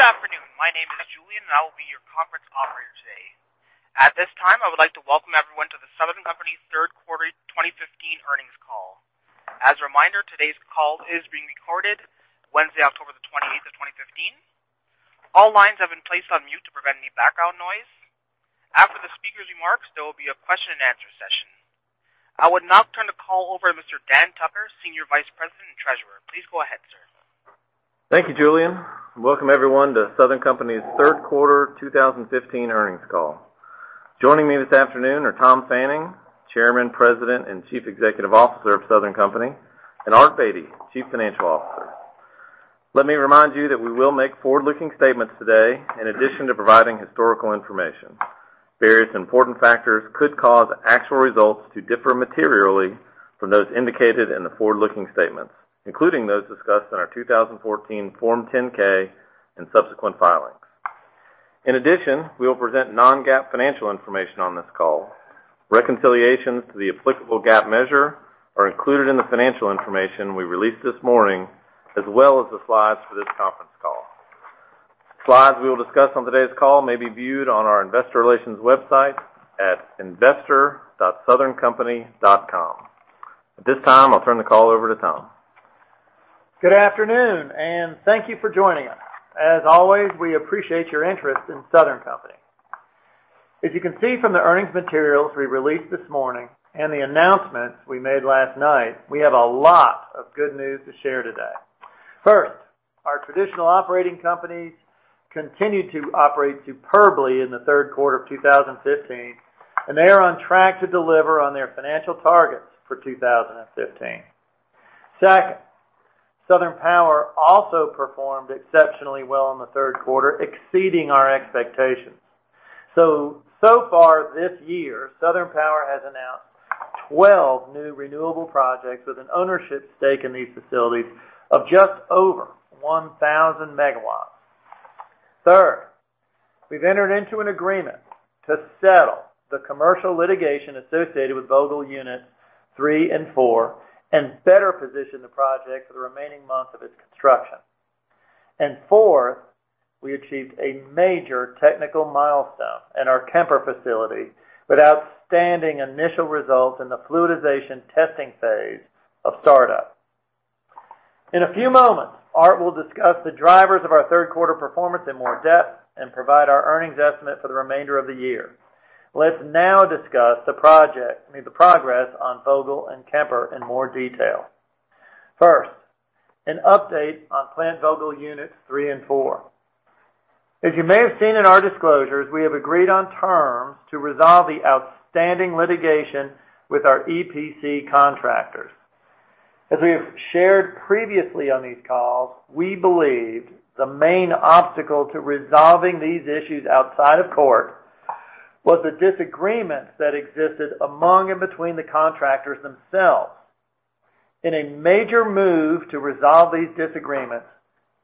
Good afternoon. My name is Julian, and I will be your conference operator today. At this time, I would like to welcome everyone to The Southern Company's third quarter 2015 earnings call. As a reminder, today's call is being recorded Wednesday, October the 28th of 2015. All lines have been placed on mute to prevent any background noise. After the speaker's remarks, there will be a question and answer session. I would now turn the call over to Mr. Dan Tucker, Senior Vice President and Treasurer. Please go ahead, sir. Thank you, Julian. Welcome everyone to Southern Company's third quarter 2015 earnings call. Joining me this afternoon are Tom Fanning, Chairman, President, and Chief Executive Officer of Southern Company, and Art Beattie, Chief Financial Officer. Let me remind you that we will make forward-looking statements today in addition to providing historical information. Various important factors could cause actual results to differ materially from those indicated in the forward-looking statements, including those discussed in our 2014 Form 10-K and subsequent filings. In addition, we will present non-GAAP financial information on this call. Reconciliations to the applicable GAAP measure are included in the financial information we released this morning, as well as the slides for this conference call. Slides we will discuss on today's call may be viewed on our investor relations website at investor.southerncompany.com. At this time, I'll turn the call over to Tom. Good afternoon, and thank you for joining us. As always, we appreciate your interest in Southern Company. If you can see from the earnings materials we released this morning and the announcements we made last night, we have a lot of good news to share today. First, our traditional operating companies continued to operate superbly in the third quarter of 2015, and they are on track to deliver on their financial targets for 2015. Second, Southern Power also performed exceptionally well in the third quarter, exceeding our expectations. So far this year, Southern Power has announced 12 new renewable projects with an ownership stake in these facilities of just over 1,000 megawatts. Third, we've entered into an agreement to settle the commercial litigation associated with Vogtle Units 3 and 4, and better position the project for the remaining months of its construction. Fourth, we achieved a major technical milestone at our Kemper facility with outstanding initial results in the fluidization testing phase of startup. In a few moments, Art will discuss the drivers of our third quarter performance in more depth and provide our earnings estimate for the remainder of the year. Let's now discuss the progress on Vogtle and Kemper in more detail. First, an update on Plant Vogtle Units 3 and 4. As you may have seen in our disclosures, we have agreed on terms to resolve the outstanding litigation with our EPC contractors. As we have shared previously on these calls, we believed the main obstacle to resolving these issues outside of court was the disagreements that existed among and between the contractors themselves. In a major move to resolve these disagreements,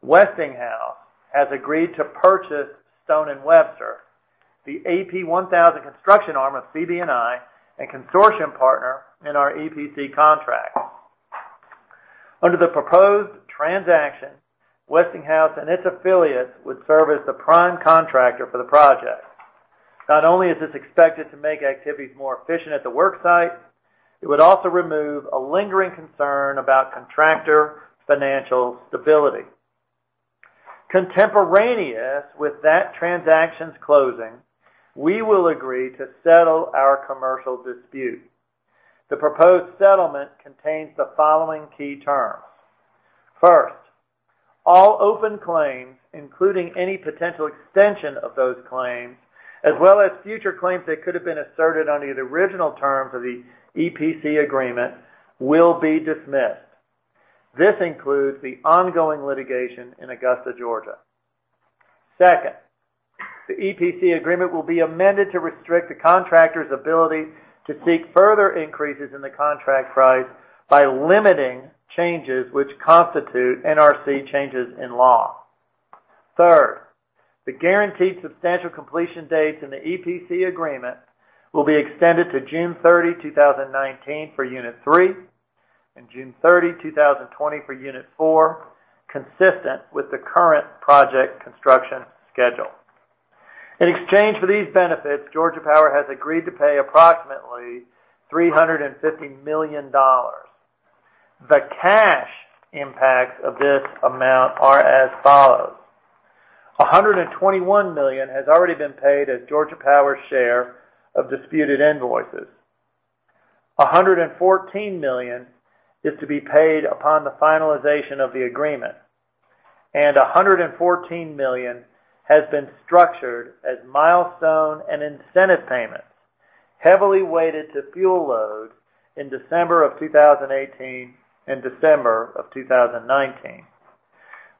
Westinghouse has agreed to purchase Stone & Webster, the AP1000 construction arm of CB&I and consortium partner in our EPC contract. Under the proposed transaction, Westinghouse and its affiliates would serve as the prime contractor for the project. Not only is this expected to make activities more efficient at the work site, it would also remove a lingering concern about contractor financial stability. Contemporaneous with that transaction's closing, we will agree to settle our commercial dispute. The proposed settlement contains the following key terms. First, all open claims, including any potential extension of those claims, as well as future claims that could have been asserted under the original terms of the EPC agreement, will be dismissed. This includes the ongoing litigation in Augusta, Georgia. Second, the EPC agreement will be amended to restrict the contractor's ability to seek further increases in the contract price by limiting changes which constitute NRC changes in law. Third, the guaranteed substantial completion dates in the EPC agreement will be extended to June 30, 2019 for Unit 3, and June 30, 2020 for Unit 4, consistent with the current project construction schedule. In exchange for these benefits, Georgia Power has agreed to pay approximately $350 million. The cash impacts of this amount are as follows. $121 million has already been paid as Georgia Power's share of disputed invoices. $114 million is to be paid upon the finalization of the agreement. $114 million has been structured as milestone and incentive payments, heavily weighted to fuel load in December of 2018 and December of 2019.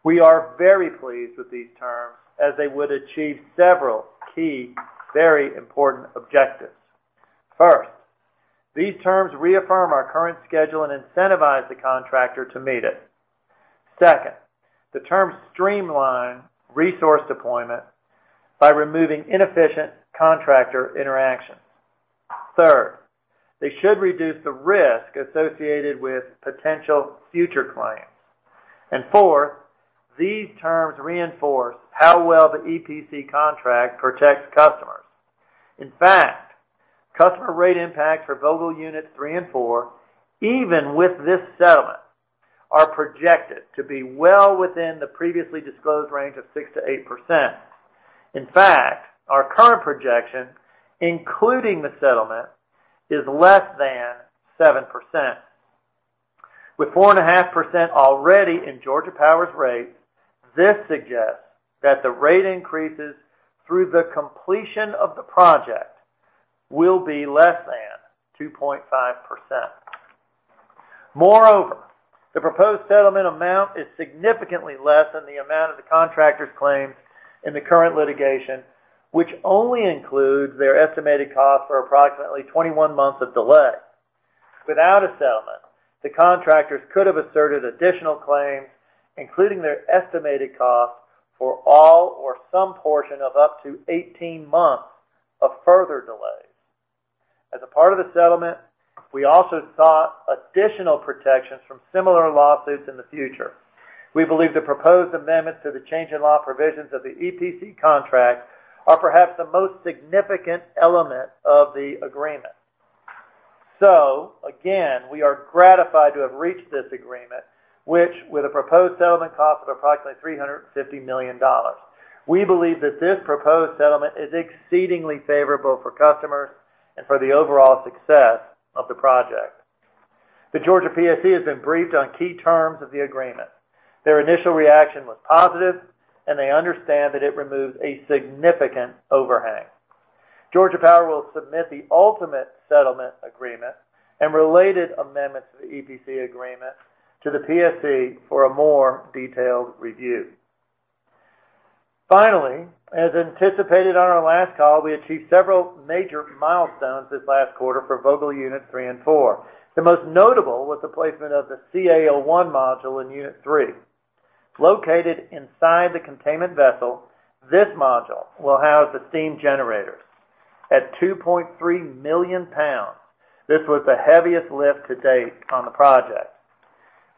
We are very pleased with these terms as they would achieve several key, very important objectives. First, these terms reaffirm our current schedule and incentivize the contractor to meet it. Second, the terms streamline resource deployment by removing inefficient contractor interactions. Third, they should reduce the risk associated with potential future claims. Fourth, these terms reinforce how well the EPC contract protects customers. In fact, customer rate impacts for Vogtle Units 3 and 4, even with this settlement, are projected to be well within the previously disclosed range of 6%-8%. In fact, our current projection, including the settlement, is less than 7%. With 4.5% already in Georgia Power's rates, this suggests that the rate increases through the completion of the project will be less than 2.5%. Moreover, the proposed settlement amount is significantly less than the amount of the contractors' claims in the current litigation, which only includes their estimated costs for approximately 21 months of delay. Without a settlement, the contractors could have asserted additional claims, including their estimated costs for all or some portion of up to 18 months of further delays. As a part of the settlement, we also sought additional protections from similar lawsuits in the future. We believe the proposed amendments to the change-in-law provisions of the EPC contract are perhaps the most significant element of the agreement. Again, we are gratified to have reached this agreement, which with a proposed settlement cost of approximately $350 million. We believe that this proposed settlement is exceedingly favorable for customers and for the overall success of the project. The Georgia PSC has been briefed on key terms of the agreement. Their initial reaction was positive, and they understand that it removes a significant overhang. Georgia Power will submit the ultimate settlement agreement and related amendments to the EPC agreement to the PSC for a more detailed review. Finally, as anticipated on our last call, we achieved several major milestones this last quarter for Vogtle Units 3 and 4. The most notable was the placement of the CA01 module in Unit 3. Located inside the containment vessel, this module will house the steam generators. At 2.3 million pounds, this was the heaviest lift to date on the project.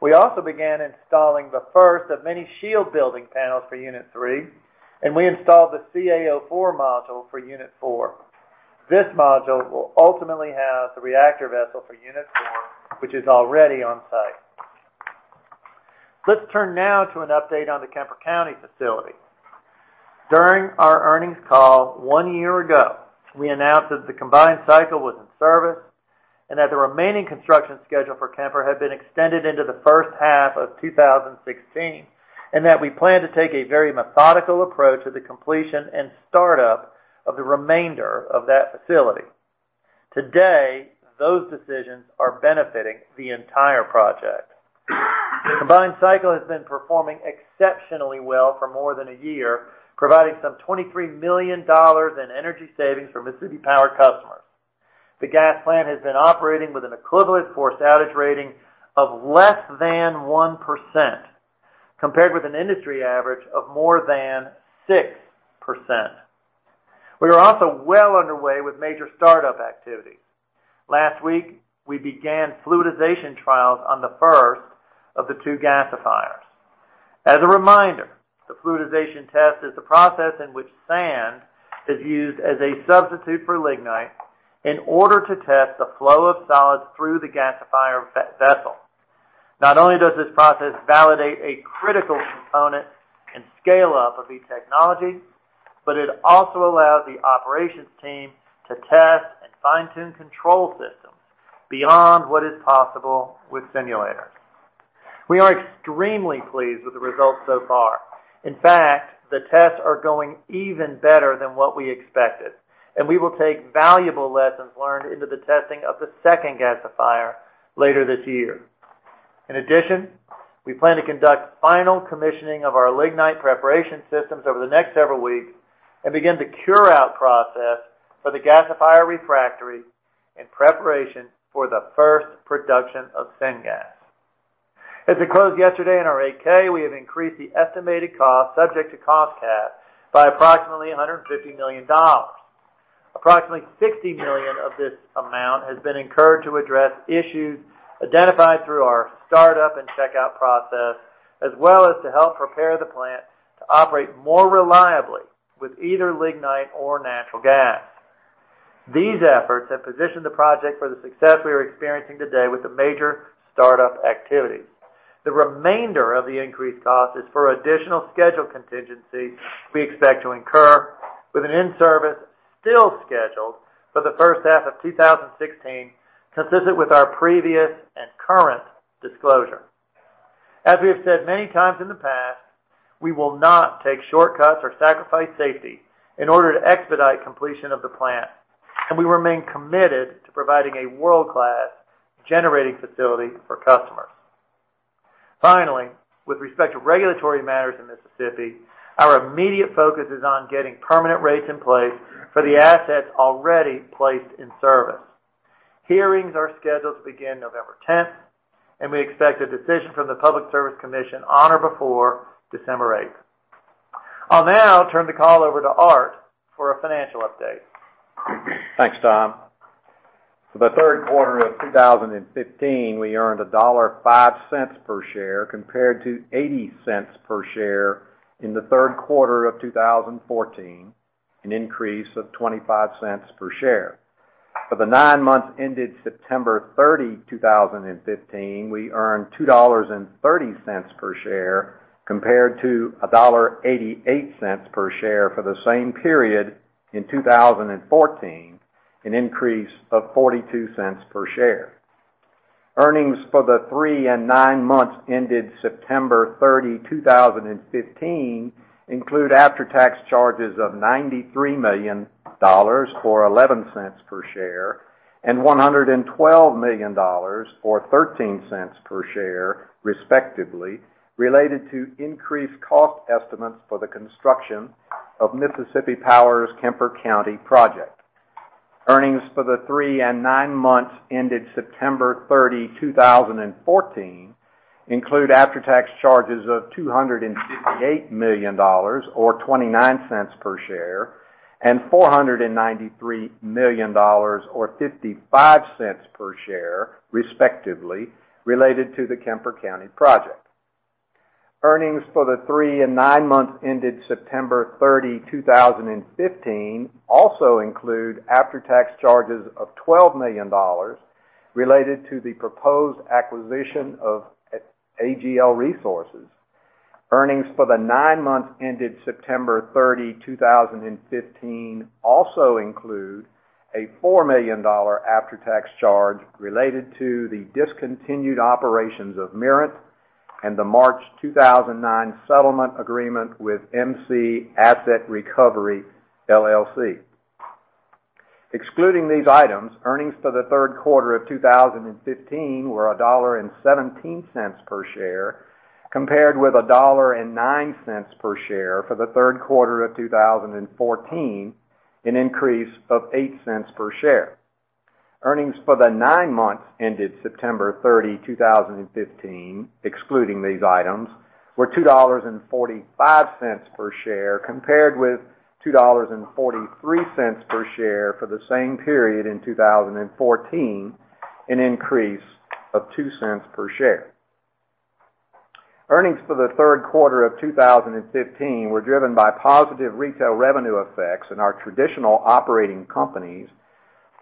We also began installing the first of many shield building panels for Unit 3, and we installed the CA04 module for Unit 4. This module will ultimately house the reactor vessel for Unit 4, which is already on site. Let's turn now to an update on the Kemper County facility. During our earnings call one year ago, we announced that the combined cycle was in service and that the remaining construction schedule for Kemper had been extended into the first half of 2016, and that we planned to take a very methodical approach to the completion and startup of the remainder of that facility. Today, those decisions are benefiting the entire project. The combined cycle has been performing exceptionally well for more than a year, providing some $23 million in energy savings for Mississippi Power customers. The gas plant has been operating with an equivalent forced outage rating of less than 1%, compared with an industry average of more than 6%. We are also well underway with major startup activities. Last week, we began fluidization trials on the first of the two gasifiers. As a reminder, the fluidization test is the process in which sand is used as a substitute for lignite in order to test the flow of solids through the gasifier vessel. Not only does this process validate a critical component and scale-up of the technology, but it also allows the operations team to test and fine-tune control systems beyond what is possible with simulators. We are extremely pleased with the results so far. In fact, the tests are going even better than what we expected, and we will take valuable lessons learned into the testing of the second gasifier later this year. In addition, we plan to conduct final commissioning of our lignite preparation systems over the next several weeks and begin the cure-out process for the gasifier refractory in preparation for the first production of syngas. As we closed yesterday in our 8-K, we have increased the estimated cost subject to cost cap by approximately $150 million. Approximately $60 million of this amount has been incurred to address issues identified through our startup and checkout process, as well as to help prepare the plant to operate more reliably with either lignite or natural gas. These efforts have positioned the project for the success we are experiencing today with the major startup activities. The remainder of the increased cost is for additional schedule contingency we expect to incur with an in-service still scheduled for the first half of 2016, consistent with our previous and current disclosure. As we have said many times in the past, we will not take shortcuts or sacrifice safety in order to expedite completion of the plant, and we remain committed to providing a world-class generating facility for customers. Finally, with respect to regulatory matters in Mississippi, our immediate focus is on getting permanent rates in place for the assets already placed in service. Hearings are scheduled to begin November 10th, and we expect a decision from the Public Service Commission on or before December 8th. I'll now turn the call over to Art for a financial update. Thanks, Tom. For the third quarter of 2015, we earned $1.05 per share compared to $0.80 per share in the third quarter of 2014, an increase of $0.25 per share. For the nine months ended September 30, 2015, we earned $2.30 per share compared to $1.88 per share for the same period in 2014, an increase of $0.42 per share. Earnings for the three and nine months ended September 30, 2015 include after-tax charges of $93 million, or $0.11 per share, and $112 million, or $0.13 per share, respectively, related to increased cost estimates for the construction of Mississippi Power's Kemper County project. Earnings for the three and nine months ended September 30, 2014 include after-tax charges of $258 million, or $0.29 per share, and $493 million, or $0.55 per share, respectively, related to the Kemper County project. Earnings for the three and nine months ended September 30, 2015 also include after-tax charges of $12 million related to the proposed acquisition of AGL Resources. Earnings for the nine months ended September 30, 2015 also include a $4 million after-tax charge related to the discontinued operations of Mirant and the March 2009 settlement agreement with MC Asset Recovery LLC. Excluding these items, earnings for the third quarter of 2015 were $1.17 per share compared with $1.09 per share for the third quarter of 2014, an increase of $0.08 per share. Earnings for the nine months ended September 30, 2015, excluding these items, were $2.45 per share compared with $2.43 per share for the same period in 2014, an increase of $0.02 per share. Earnings for the third quarter of 2015 were driven by positive retail revenue effects in our traditional operating companies,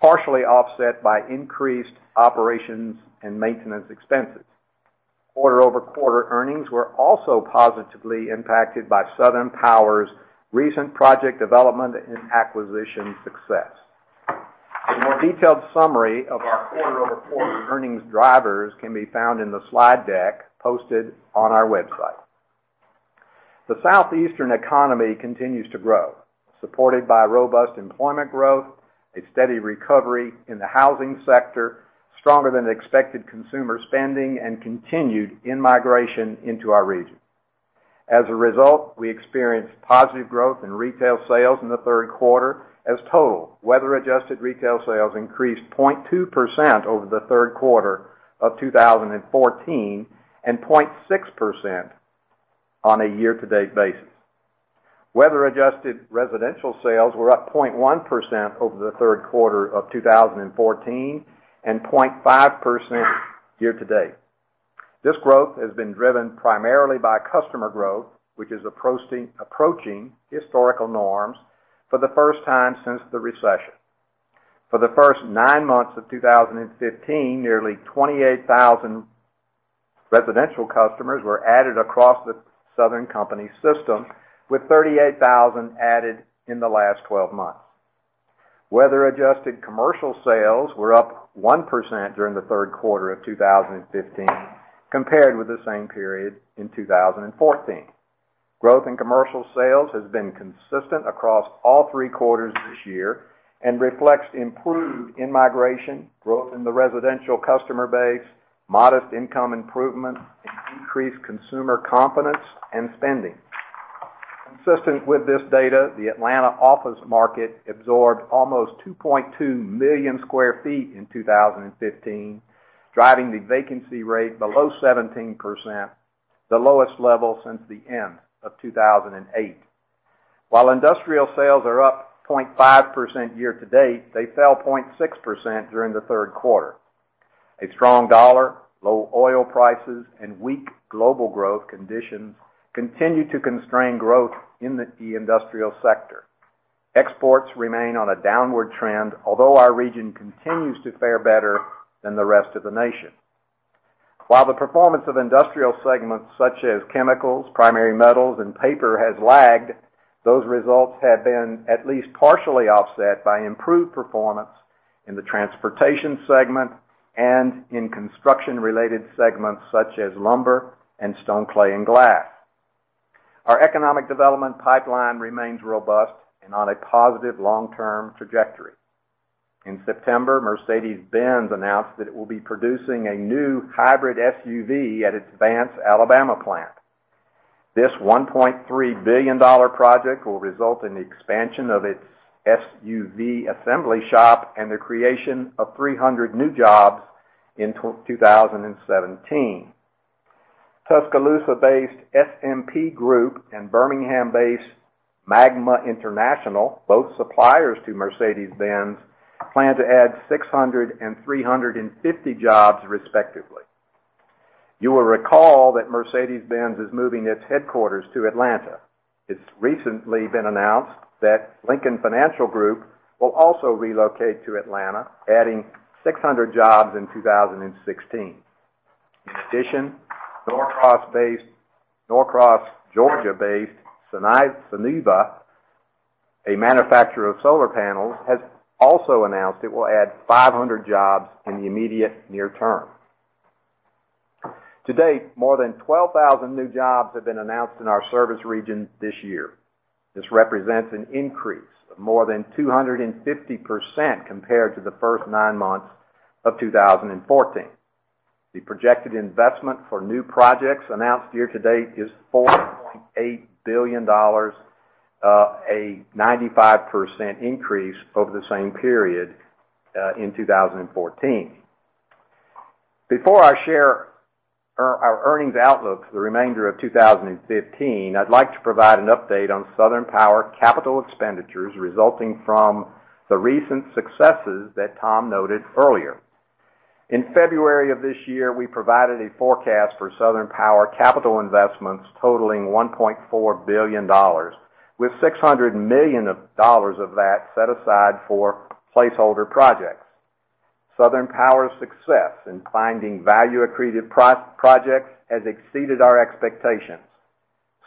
partially offset by increased operations and maintenance expenses. Quarter-over-quarter earnings were also positively impacted by Southern Power's recent project development and acquisition success. A more detailed summary of our quarter-over-quarter earnings drivers can be found in the slide deck posted on our website. The Southeastern economy continues to grow, supported by robust employment growth, a steady recovery in the housing sector, stronger than expected consumer spending, and continued in-migration into our region. As a result, we experienced positive growth in retail sales in the third quarter as total weather-adjusted retail sales increased 0.2% over the third quarter of 2014, and 0.6% on a year-to-date basis. Weather-adjusted residential sales were up 0.1% over the third quarter of 2014, and 0.5% year-to-date. This growth has been driven primarily by customer growth, which is approaching historical norms for the first time since the recession. For the first nine months of 2015, nearly 28,000 residential customers were added across the Southern Company system, with 38,000 added in the last 12 months. Weather-adjusted commercial sales were up 1% during Q3 2015 compared with the same period in 2014. Growth in commercial sales has been consistent across all three quarters this year and reflects improved in-migration growth in the residential customer base, modest income improvement, and increased consumer confidence and spending. Consistent with this data, the Atlanta office market absorbed almost 2.2 million square feet in 2015, driving the vacancy rate below 17%, the lowest level since the end of 2008. While industrial sales are up 0.5% year to date, they fell 0.6% during the third quarter. A strong dollar, low oil prices, and weak global growth conditions continue to constrain growth in the industrial sector. Exports remain on a downward trend, although our region continues to fare better than the rest of the nation. While the performance of industrial segments such as chemicals, primary metals, and paper has lagged, those results have been at least partially offset by improved performance in the transportation segment and in construction-related segments such as lumber and stone clay and glass. Our economic development pipeline remains robust and on a positive long-term trajectory. In September, Mercedes-Benz announced that it will be producing a new hybrid SUV at its Vance, Alabama plant. This $1.3 billion project will result in the expansion of its SUV assembly shop and the creation of 300 new jobs in 2017. Tuscaloosa-based SMP Group and Birmingham-based Magna International, both suppliers to Mercedes-Benz, plan to add 600 and 350 jobs respectively. You will recall that Mercedes-Benz is moving its headquarters to Atlanta. It's recently been announced that Lincoln Financial Group will also relocate to Atlanta, adding 600 jobs in 2016. In addition, Norcross, Georgia-based Suniva, a manufacturer of solar panels, has also announced it will add 500 jobs in the immediate near term. To date, more than 12,000 new jobs have been announced in our service region this year. This represents an increase of more than 250% compared to the first nine months of 2014. The projected investment for new projects announced year to date is $4.8 billion, a 95% increase over the same period in 2014. Before I share our earnings outlook for the remainder of 2015, I'd like to provide an update on Southern Power capital expenditures resulting from the recent successes that Tom noted earlier. In February of this year, we provided a forecast for Southern Power capital investments totaling $1.4 billion, with $600 million of that set aside for placeholder projects. Southern Power's success in finding value-accretive projects has exceeded our expectations.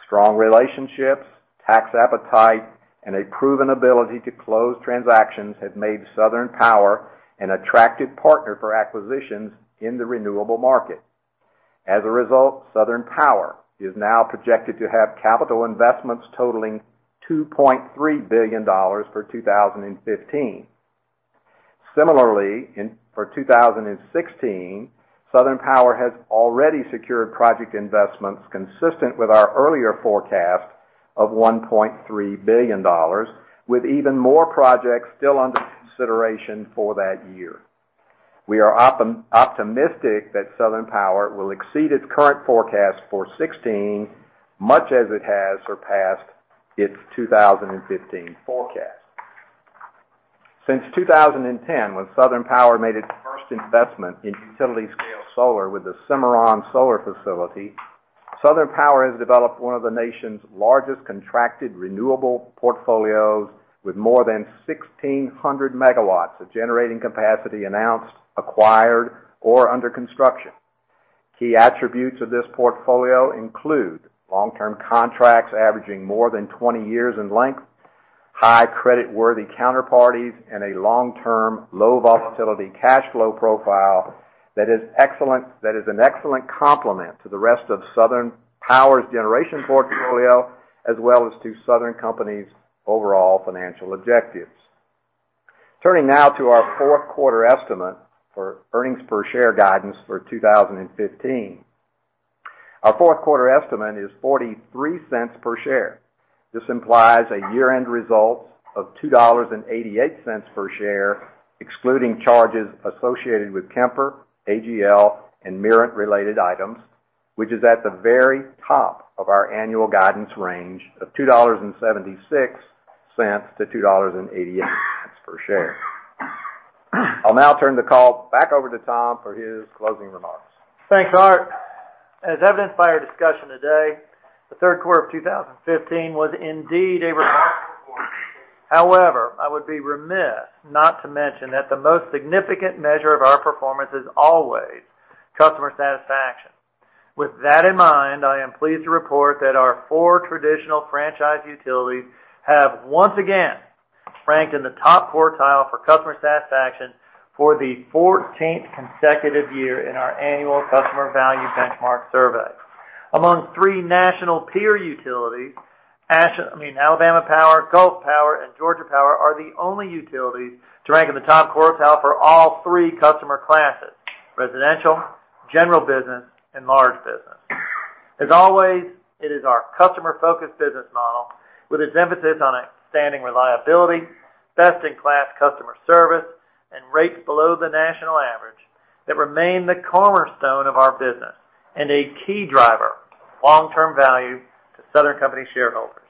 Strong relationships, tax appetite, and a proven ability to close transactions have made Southern Power an attractive partner for acquisitions in the renewable market. As a result, Southern Power is now projected to have capital investments totaling $2.3 billion for 2015. Similarly, for 2016, Southern Power has already secured project investments consistent with our earlier forecast of $1.3 billion, with even more projects still under consideration for that year. We are optimistic that Southern Power will exceed its current forecast for 2016, much as it has surpassed its 2015 forecast. Since 2010, when Southern Power made its first investment in utility-scale solar with the Cimarron Solar Facility, Southern Power has developed one of the nation's largest contracted renewable portfolios, with more than 1,600 megawatts of generating capacity announced, acquired, or under construction. Key attributes of this portfolio include long-term contracts averaging more than 20 years in length, high creditworthy counterparties, and a long-term, low-volatility cash flow profile that is an excellent complement to the rest of Southern Power's generation portfolio as well as to Southern Company's overall financial objectives. Turning now to our fourth quarter estimate for earnings per share guidance for 2015. Our fourth quarter estimate is $0.43 per share. This implies a year-end result of $2.88 per share, excluding charges associated with Kemper, AGL, and Mirant-related items, which is at the very top of our annual guidance range of $2.76-$2.88 per share. I'll now turn the call back over to Tom for his closing remarks. Thanks, Art. As evidenced by our discussion today, the third quarter of 2015 was indeed a remarkable quarter. However, I would be remiss not to mention that the most significant measure of our performance is always customer satisfaction. With that in mind, I am pleased to report that our four traditional franchise utilities have once again ranked in the top quartile for customer satisfaction for the 14th consecutive year in our annual Customer Value Benchmark Survey. Among three national peer utilities, Alabama Power, Gulf Power, and Georgia Power are the only utilities to rank in the top quartile for all three customer classes: residential, general business, and large business. As always, it is our customer-focused business model with its emphasis on outstanding reliability, best-in-class customer service, and rates below the national average that remain the cornerstone of our business and a key driver of long-term value to Southern Company shareholders.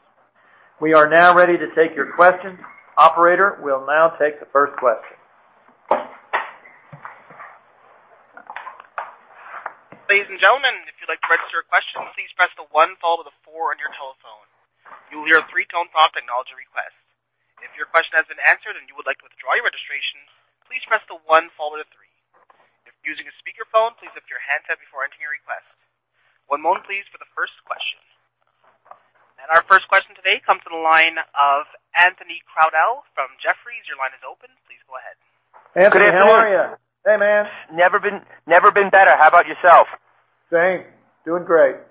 We are now ready to take your questions. Operator, we'll now take the first question. Ladies and gentlemen, if you'd like to register a question, please press the one followed by the four on your telephone. You will hear a three-tone pop to acknowledge the request. If your question has been answered and you would like to withdraw your registration, please press the one followed by the three. If using a speakerphone, please lift your handset before entering your request. One moment please for the first question. Our first question today comes from the line of Anthony Crowdell from Jefferies. Your line is open. Please go ahead. Anthony, how are you? Hey, man. Never been better. How about yourself? Same. Doing great.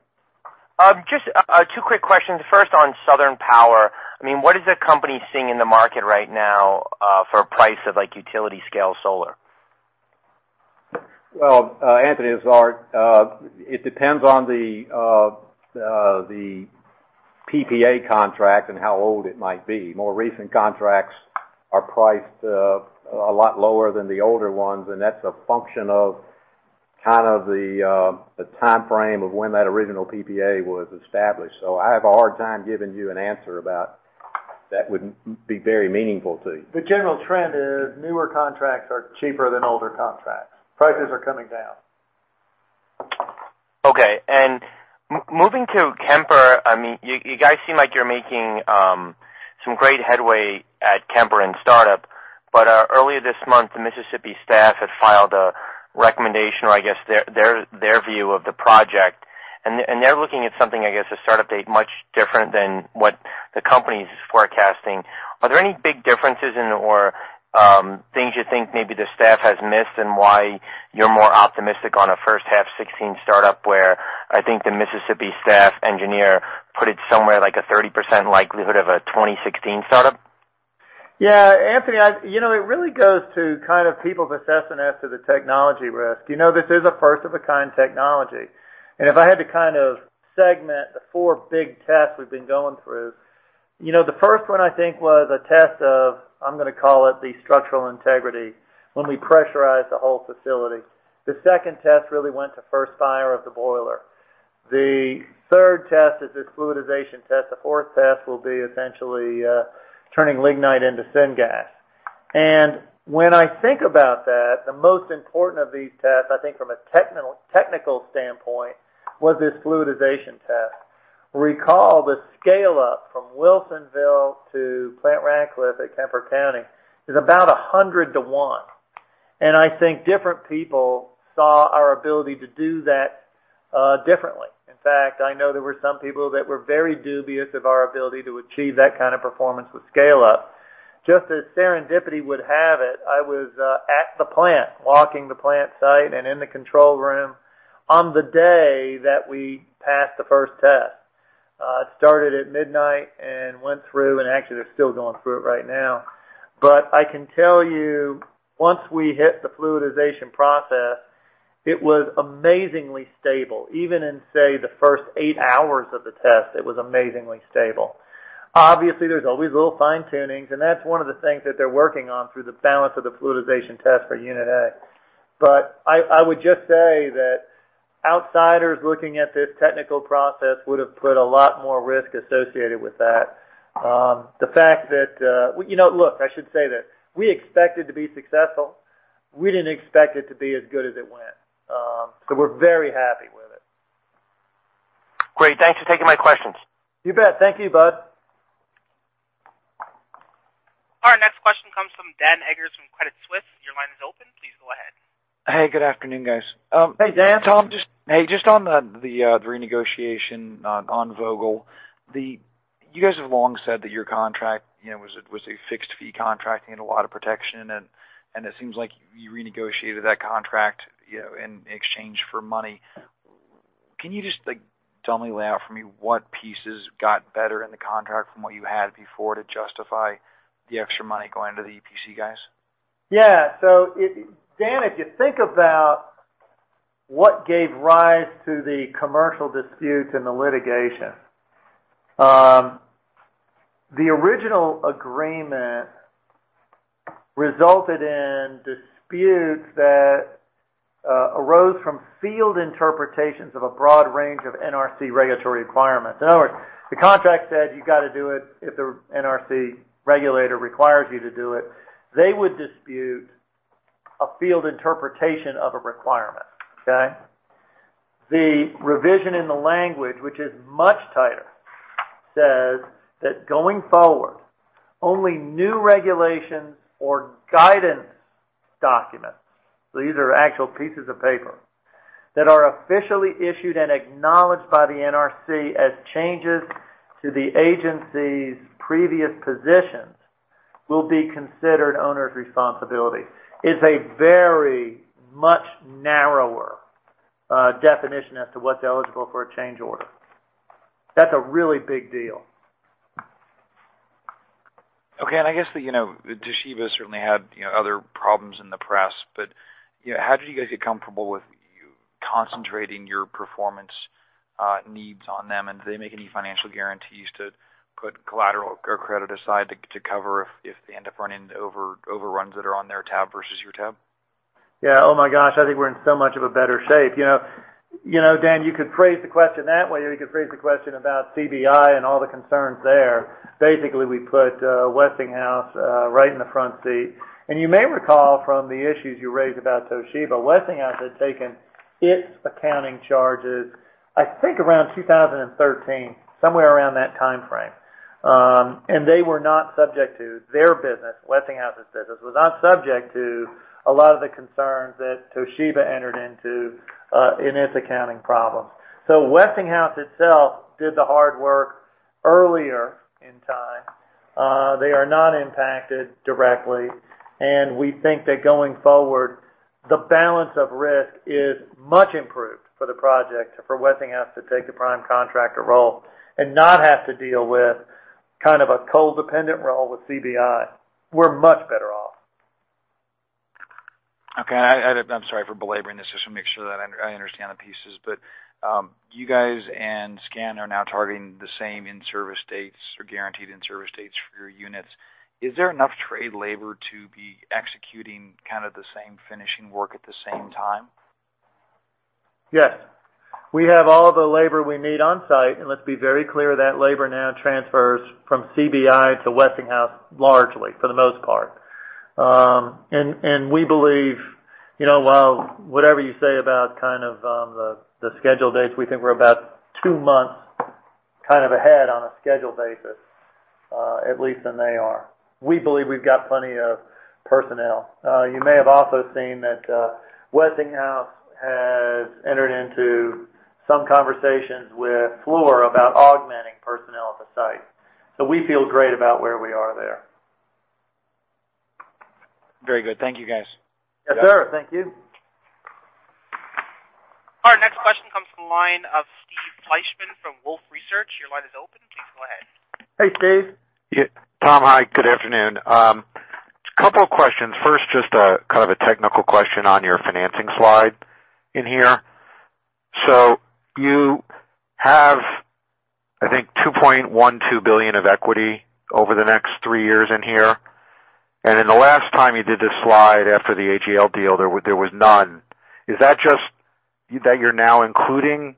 Just two quick questions. First, on Southern Power, what is the company seeing in the market right now for a price of utility-scale solar? Well, Anthony, it depends on the PPA contract and how old it might be. More recent contracts are priced a lot lower than the older ones, and that's a function of the timeframe of when that original PPA was established. I have a hard time giving you an answer about that would be very meaningful to you. The general trend is newer contracts are cheaper than older contracts. Prices are coming down. Okay. Moving to Kemper, you guys seem like you're making some great headway at Kemper in startup. Earlier this month, the Mississippi staff had filed a recommendation, or I guess their view of the project, and they're looking at something, I guess, a startup date much different than what the company's forecasting. Are there any big differences in, or things you think maybe the staff has missed, and why you're more optimistic on a first half 2016 startup, where I think the Mississippi staff engineer put it somewhere like a 30% likelihood of a 2016 startup? Yeah. Anthony, it really goes to kind of people's assessment as to the technology risk. This is a first of a kind technology. If I had to kind of segment the four big tests we've been going through, the first one I think was a test of, I'm going to call it the structural integrity when we pressurized the whole facility. The second test really went to first fire of the boiler. The third test is this fluidization test. The fourth test will be essentially turning lignite into syngas. When I think about that, the most important of these tests, I think from a technical standpoint, was this fluidization test. Recall the scale-up from Wilsonville to Plant Ratcliffe at Kemper County is about 100 to one, and I think different people saw our ability to do that differently. In fact, I know there were some people that were very dubious of our ability to achieve that kind of performance with scale up. Just as serendipity would have it, I was at the plant, walking the plant site and in the control room on the day that we passed the first test. It started at midnight and went through, actually they're still going through it right now. I can tell you, once we hit the fluidization process, it was amazingly stable. Even in, say, the first eight hours of the test, it was amazingly stable. Obviously, there's always little fine-tunings, and that's one of the things that they're working on through the balance of the fluidization test for Unit A. I would just say that outsiders looking at this technical process would've put a lot more risk associated with that. Look, I should say this. We expected to be successful. We didn't expect it to be as good as it went. We're very happy with it. Great. Thanks for taking my questions. You bet. Thank you, bud. Our next question comes from Dan Eggers from Credit Suisse. Your line is open. Please go ahead. Hey, good afternoon, guys. Hey, Dan. Tom. Hey, just on the renegotiation on Plant Vogtle. You guys have long said that your contract was a fixed-fee contract and you had a lot of protection, it seems like you renegotiated that contract in exchange for money. Can you just lay out for me what pieces got better in the contract from what you had before to justify the extra money going to the EPC guys? Yeah. Dan, if you think about what gave rise to the commercial disputes and the litigation. The original agreement resulted in disputes that arose from field interpretations of a broad range of NRC regulatory requirements. In other words, the contract said you got to do it if the NRC regulator requires you to do it. They would dispute a field interpretation of a requirement. Okay? The revision in the language, which is much tighter, says that going forward, only new regulations or guidance documents, so these are actual pieces of paper, that are officially issued and acknowledged by the NRC as changes to the agency's previous positions will be considered owner's responsibility. It's a very much narrower definition as to what's eligible for a change order. That's a really big deal. Okay. I guess that Toshiba certainly had other problems in the press, but how did you guys get comfortable with concentrating your performance needs on them? Did they make any financial guarantees to put collateral or credit aside to cover if they end up running into overruns that are on their tab versus your tab? Yeah. Oh, my gosh. I think we're in so much of a better shape. Dan, you could phrase the question that way, or you could phrase the question about CBI and all the concerns there. Basically, we put Westinghouse right in the front seat. You may recall from the issues you raised about Toshiba, Westinghouse had taken its accounting charges, I think around 2013, somewhere around that timeframe. They were not subject to their business. Westinghouse's business was not subject to a lot of the concerns that Toshiba entered into in its accounting problem. Westinghouse itself did the hard work earlier in time. They are not impacted directly, and we think that going forward, the balance of risk is much improved for the project for Westinghouse to take the prime contractor role and not have to deal with kind of a co-dependent role with CBI. We're much better off. Okay. I'm sorry for belaboring this, just to make sure that I understand the pieces. You guys and SCANA are now targeting the same in-service dates or guaranteed in-service dates for your units. Is there enough trade labor to be executing kind of the same finishing work at the same time? Yes. We have all the labor we need on site, and let's be very clear, that labor now transfers from CB&I to Westinghouse largely, for the most part. We believe, while whatever you say about kind of the schedule dates, we think we're about two months kind of ahead on a schedule basis, at least than they are. We believe we've got plenty of personnel. You may have also seen that Westinghouse has entered into some conversations with Fluor about augmenting personnel at the site. We feel great about where we are there. Very good. Thank you, guys. Yes, sir. Thank you. Our next question comes from the line of Steven Fleishman from Wolfe Research. Your line is open. Please go ahead. Hey, Steve. Tom, hi, good afternoon. Couple of questions. First, just kind of a technical question on your financing slide in here. You have, I think, $2.12 billion of equity over the next three years in here. The last time you did this slide after the AGL deal, there was none. Is that just that you're now including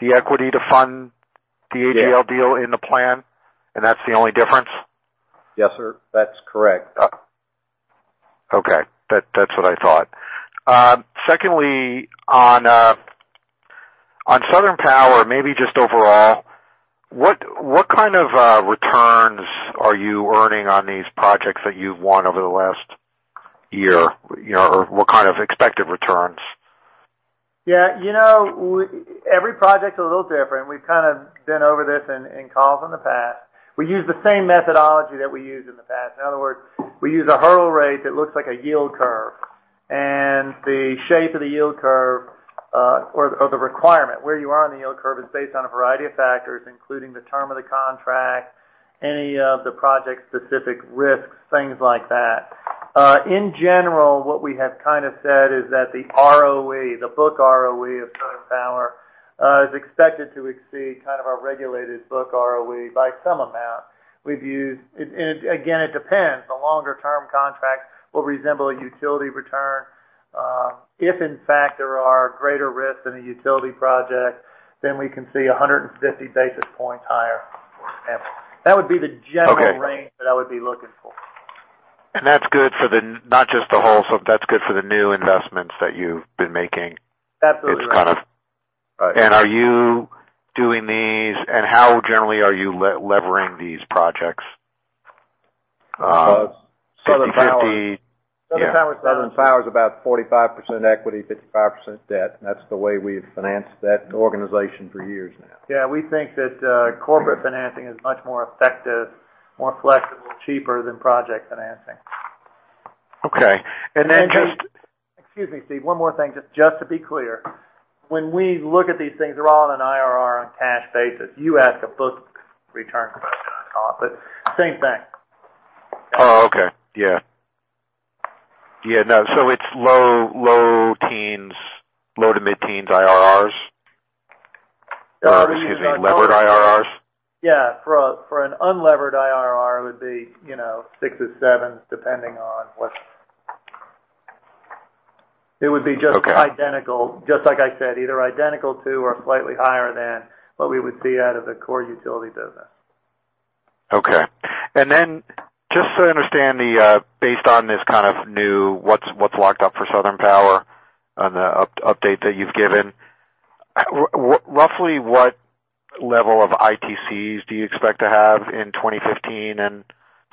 the equity to fund the AGL deal in the plan? That's the only difference? Yes, sir. That's correct. Okay. That's what I thought. Secondly, on Southern Power, maybe just overall, what kind of returns are you earning on these projects that you've won over the last year? Or what kind of expected returns? Yeah. Every project's a little different. We've kind of been over this in calls in the past. We use the same methodology that we used in the past. In other words, we use a hurdle rate that looks like a yield curve. The shape of the yield curve, or the requirement, where you are on the yield curve is based on a variety of factors, including the term of the contract, any of the project-specific risks, things like that. In general, what we have kind of said is that the ROE, the book ROE of Southern Power, is expected to exceed kind of our regulated book ROE by some amount. Again, it depends. The longer-term contract will resemble a utility return. If in fact there are greater risks in a utility project, then we can see 150 basis points higher, for example. That would be the general range that I would be looking for. That's good for the, not just the whole. That's good for the new investments that you've been making. Absolutely. Are you doing these, and how generally are you levering these projects? 50/50? Southern Power is about 45% equity, 55% debt. That's the way we've financed that organization for years now. Yeah, we think that corporate financing is much more effective, more flexible, cheaper than project financing. Okay. Excuse me, Steve, one more thing. Just to be clear, when we look at these things, they're all on an IRR on cash basis. You asked a book return question on the call, same thing. Oh, okay. Yeah. It's low to mid-teens IRRs? Excuse me, levered IRRs? Yeah. For an unlevered IRR, it would be six or sevens, depending on what It would be just like I said, either identical to or slightly higher than what we would see out of the core utility business. Okay. Just so I understand, based on this kind of new what's locked up for Southern Power on the update that you've given, roughly what level of ITCs do you expect to have in 2015 and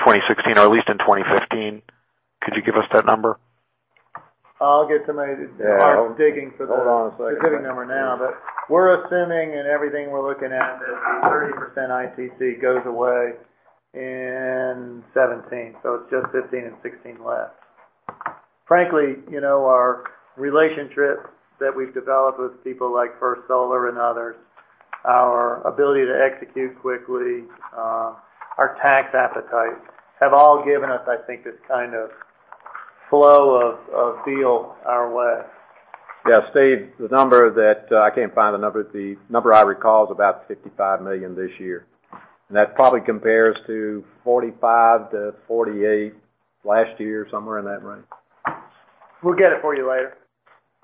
2016, or at least in 2015? Could you give us that number? I'll get somebody digging for the specific number now, we're assuming in everything we're looking at that the 30% ITC goes away in 2017. It's just 2015 and 2016 left. Frankly, our relationships that we've developed with people like First Solar and others, our ability to execute quickly, our tax appetite, have all given us, I think, this kind of flow of deal outlay. Yeah, Steve, the number that I can't find the number. The number I recall is about $55 million this year. That probably compares to $45 million to $48 million last year, somewhere in that range. We'll get it for you later.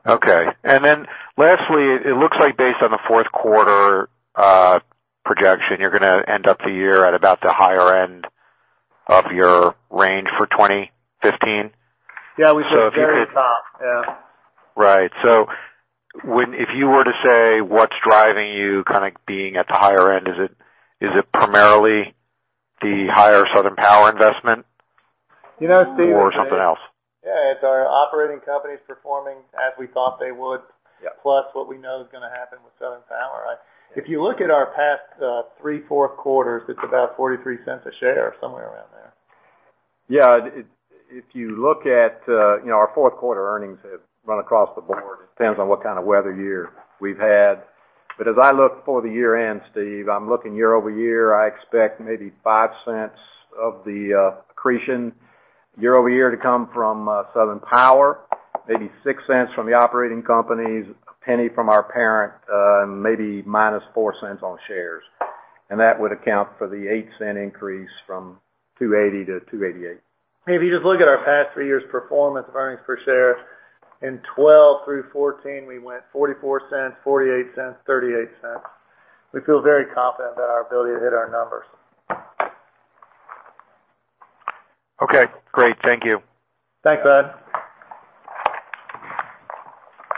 Okay. Lastly, it looks like based on the fourth quarter projection, you're going to end up the year at about the higher end of your range for 2015? Yeah, we said very top. Yeah. Right. if you were to say what's driving you kind of being at the higher end, is it primarily the higher Southern Power investment? You know, Steve. something else? Yeah, it's our operating companies performing as we thought they would. Yeah. What we know is going to happen with Southern Power, right? If you look at our past three fourth quarters, it's about $0.43 a share, somewhere around there. Yeah. If you look at our fourth quarter earnings have run across the board. It depends on what kind of weather year we've had. As I look for the year-end, Steve, I'm looking year-over-year, I expect maybe $0.05 of the accretion year-over-year to come from Southern Power, maybe $0.06 from the operating companies, $0.01 from our parent, maybe -$0.04 on shares. That would account for the $0.08 increase from $2.80 to $2.88. If you just look at our past three years' performance of earnings per share, in 2012 through 2014, we went $0.44, $0.48, $0.38. We feel very confident about our ability to hit our numbers. Okay, great. Thank you. Thanks, Bud.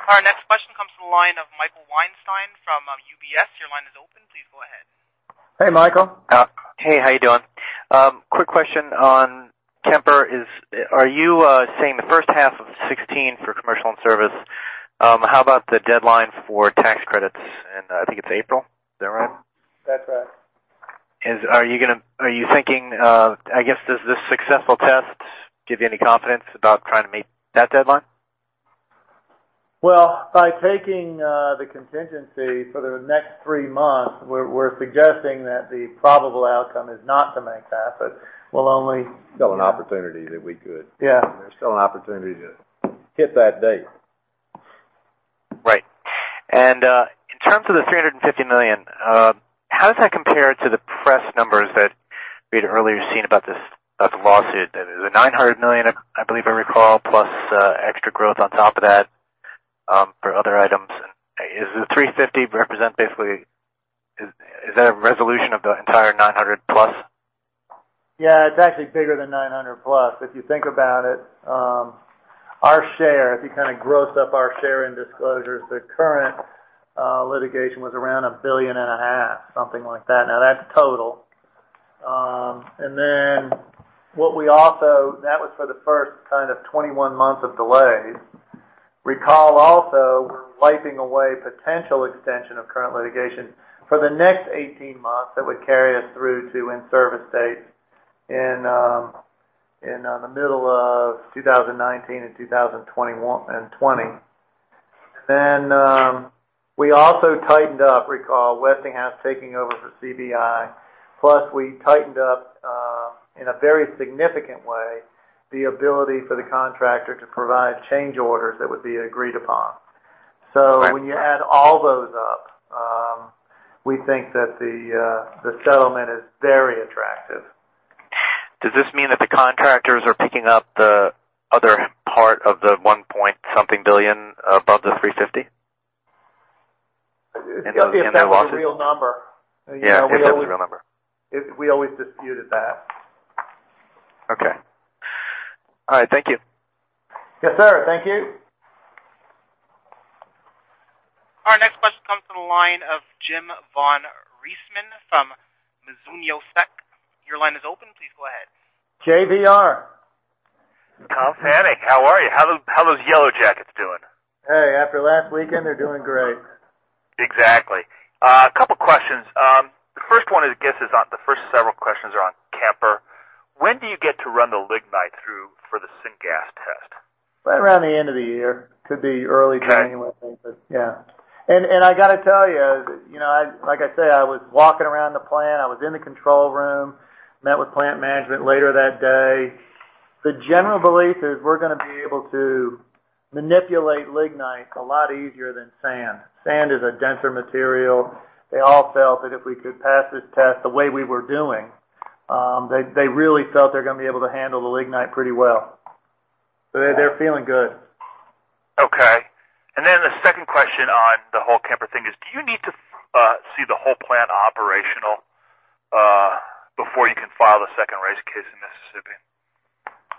Our next question comes from the line of Michael Weinstein from UBS. Your line is open. Please go ahead. Hey, Michael. Hey, how you doing? Quick question on Kemper. Are you saying the first half of 2016 for commercial in-service? How about the deadline for tax credits in, I think it's April. Is that right? That's right. Are you thinking I guess, does this successful test give you any confidence about trying to meet that deadline? Well, by taking the contingency for the next three months, we're suggesting that the probable outcome is not to make that. Still an opportunity that we could. Yeah. There's still an opportunity to hit that date. Right. In terms of the $350 million, how does that compare to the press numbers that we had earlier seen about the lawsuit? That is a $900 million, I believe I recall, plus extra growth on top of that for other items. Does the $350 represent basically, is that a resolution of the entire $900 plus? Yeah, it's actually bigger than $900 plus. If you think about it, our share, if you gross up our share and disclosures, the current litigation was around $1.5 billion, something like that. Now, that's total. That was for the first 21 months of delays. Recall also, we're wiping away potential extension of current litigation for the next 18 months that would carry us through to in-service date in the middle of 2019 and 2020. We also tightened up, recall Westinghouse taking over for CB&I, plus we tightened up, in a very significant way, the ability for the contractor to provide change orders that would be agreed upon. Right. When you add all those up, we think that the settlement is very attractive. Does this mean that the contractors are picking up the other part of the $1 point something billion above the $350? It's got to be. In their lawsuit. a real number. Yeah, it is a real number. We always disputed that. Okay. All right. Thank you. Yes, sir. Thank you. Our next question comes from the line of Jim von Riesemann from Mizuho Securities. Your line is open. Please go ahead. JVR. Tom Fanning, how are you? How those Yellow Jackets doing? Hey, after last weekend, they're doing great. Exactly. A couple questions. The first one is, I guess, several questions are on Kemper. When do you get to run the lignite through for the syngas test? Right around the end of the year. Could be early January. Okay I think, but yeah. I got to tell you, like I said, I was walking around the plant. I was in the control room, met with plant management later that day. The general belief is we're going to be able to manipulate lignite a lot easier than sand. Sand is a denser material. They all felt that if we could pass this test the way we were doing, they really felt they're going to be able to handle the lignite pretty well. They're feeling good. Okay. The second question on the whole Kemper thing is, do you need to see the whole plant operational before you can file the second rate case in Mississippi?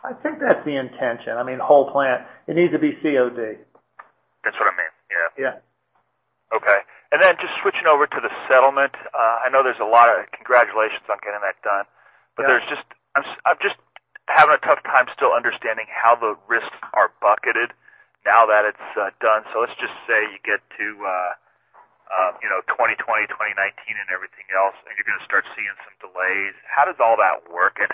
I think that's the intention. I mean, whole plant. It needs to be COD. That's what I mean. Yeah. Yeah. Okay. Then just switching over to the settlement. I know there's a lot of Congratulations on getting that done. Yeah. I'm just having a tough time still understanding how the risks are bucketed now that it's done. Let's just say you get to 2020, 2019, and everything else, and you're going to start seeing some delays. How does all that work, and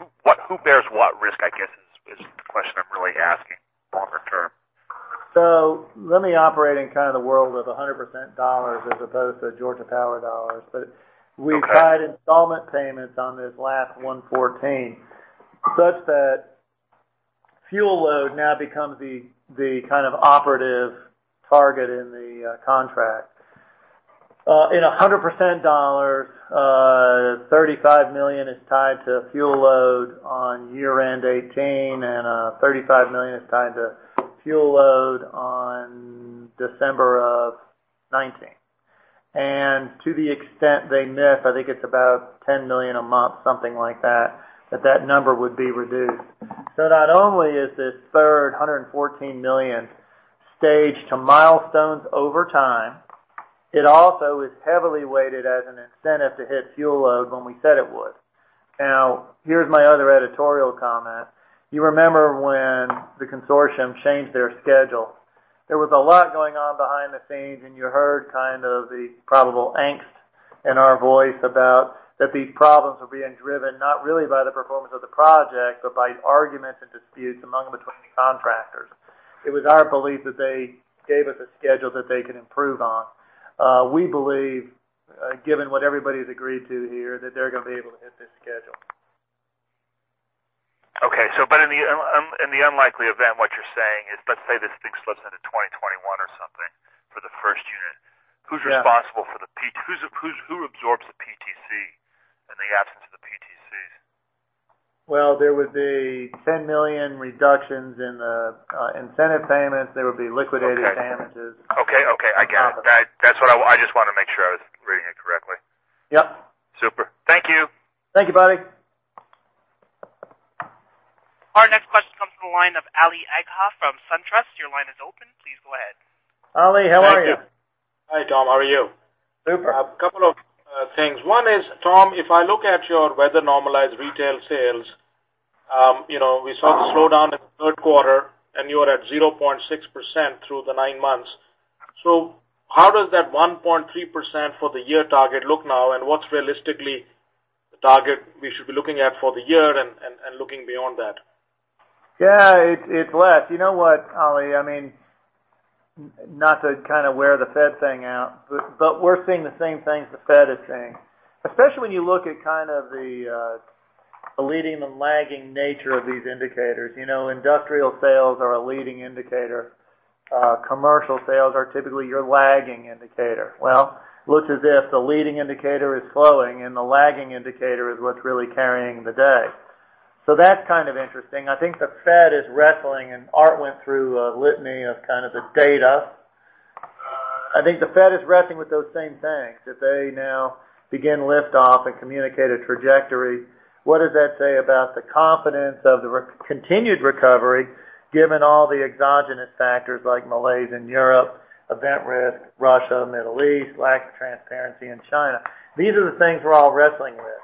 who bears what risk, I guess, is the question I'm really asking longer term? Let me operate in kind of the world of 100% dollars as opposed to Georgia Power dollars. Okay. We've tied installment payments on this last 114 such that fuel load now becomes the kind of operative target in the contract. In 100% dollars, $35 million is tied to fuel load on year-end 2018, and $35 million is tied to fuel load on December of 2019. To the extent they miss, I think it's about $10 million a month, something like that that number would be reduced. Not only is this third $114 million staged to milestones over time, it also is heavily weighted as an incentive to hit fuel load when we said it would. Here's my other editorial comment. You remember when the consortium changed their schedule. There was a lot going on behind the scenes, and you heard kind of the probable angst in our voice about that these problems were being driven not really by the performance of the project, but by arguments and disputes among and between the contractors. It was our belief that they gave us a schedule that they could improve on. We believe, given what everybody's agreed to here, that they're going to be able to hit this schedule. In the unlikely event, what you're saying is, let's say this thing slips into 2021 or something for the first unit? Yeah who's responsible for the who absorbs the PTC in the absence of the PTCs? Well, there would be 10 million reductions in the incentive payments. There would be liquidated- Okay damages. Okay. I got it. penalties. That's what I want. I just wanted to make sure I was reading it correctly. Yep. Super. Thank you. Thank you, buddy. Our next question comes from the line of Ali Agha from SunTrust. Your line is open. Please go ahead. Ali, how are you? Thank you. Hi, Tom. How are you? Super. A couple of things. One is, Tom, if I look at your weather normalized retail sales, we saw the slowdown in the third quarter, and you are at 0.6% through the nine months. How does that 1.3% for the year target look now? What's realistically the target we should be looking at for the year and looking beyond that? Yeah, it's less. You know what, Ali, not to kind of wear the Fed thing out, but we're seeing the same things the Fed is seeing, especially when you look at kind of the leading and lagging nature of these indicators. Industrial sales are a leading indicator. Commercial sales are typically your lagging indicator. Well, looks as if the leading indicator is slowing, and the lagging indicator is what's really carrying the day. That's kind of interesting. I think the Fed is wrestling, Art went through a litany of kind of the data. I think the Fed is wrestling with those same things. If they now begin lift-off and communicate a trajectory, what does that say about the confidence of the continued recovery given all the exogenous factors like malaise in Europe, event risk, Russia, Middle East, lack of transparency in China? These are the things we're all wrestling with.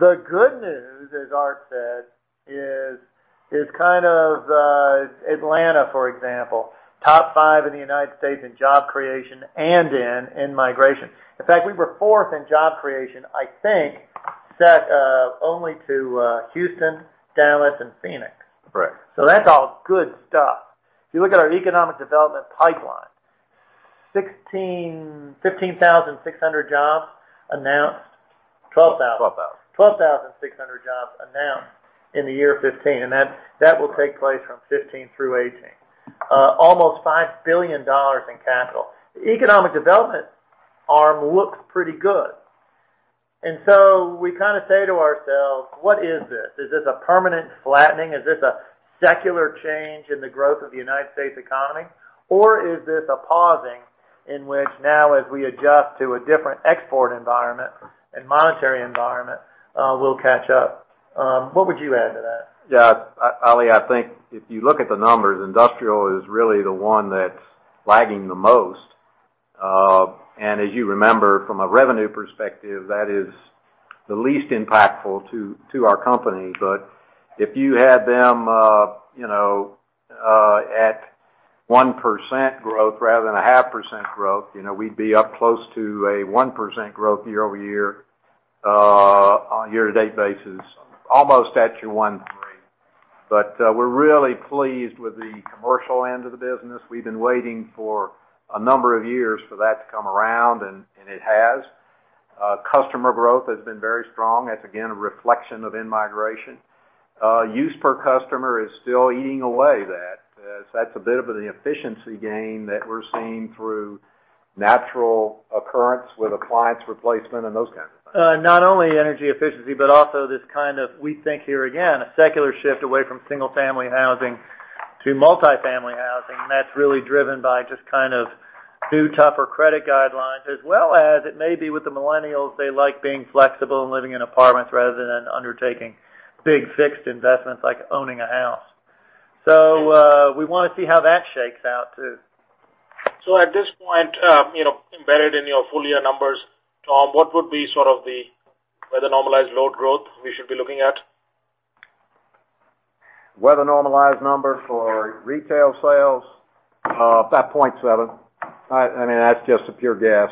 The good news, as Art said, is kind of Atlanta, for example, top five in the United States in job creation and in-migration. In fact, we were fourth in job creation, I think, second only to Houston, Dallas, and Phoenix. Correct. That's all good stuff. If you look at our economic development pipeline, 15,600 jobs announced. 12,000. 12,000. 12,600 jobs announced in the year 2015, and that will take place from 2015 through 2018. Almost $5 billion in capital. The economic development arm looks pretty good. We kind of say to ourselves, "What is this? Is this a permanent flattening? Is this a secular change in the growth of the United States economy? Or is this a pausing in which now as we adjust to a different export environment and monetary environment, we'll catch up?" What would you add to that? Ali, I think if you look at the numbers, industrial is really the one that's lagging the most. As you remember, from a revenue perspective, that is the least impactful to our company. If you had them at 1% growth rather than a 0.5% growth, we'd be up close to a 1% growth year-over-year on a year-to-date basis, almost at your 1.3. We're really pleased with the commercial end of the business. We've been waiting for a number of years for that to come around, and it has. Customer growth has been very strong. That's, again, a reflection of in-migration. Use per customer is still eating away that. That's a bit of an efficiency gain that we're seeing through natural occurrence with appliance replacement and those kinds of things. Not only energy efficiency, but also this kind of, we think here again, a secular shift away from single-family housing to multi-family housing. That's really driven by just kind of new, tougher credit guidelines, as well as it may be with the millennials. They like being flexible and living in apartments rather than undertaking big fixed investments like owning a house. We want to see how that shakes out too. At this point, embedded in your full year numbers, Tom, what would be sort of the weather normalized load growth we should be looking at? Weather normalized number for retail sales, about 0.7. That's just a pure guess.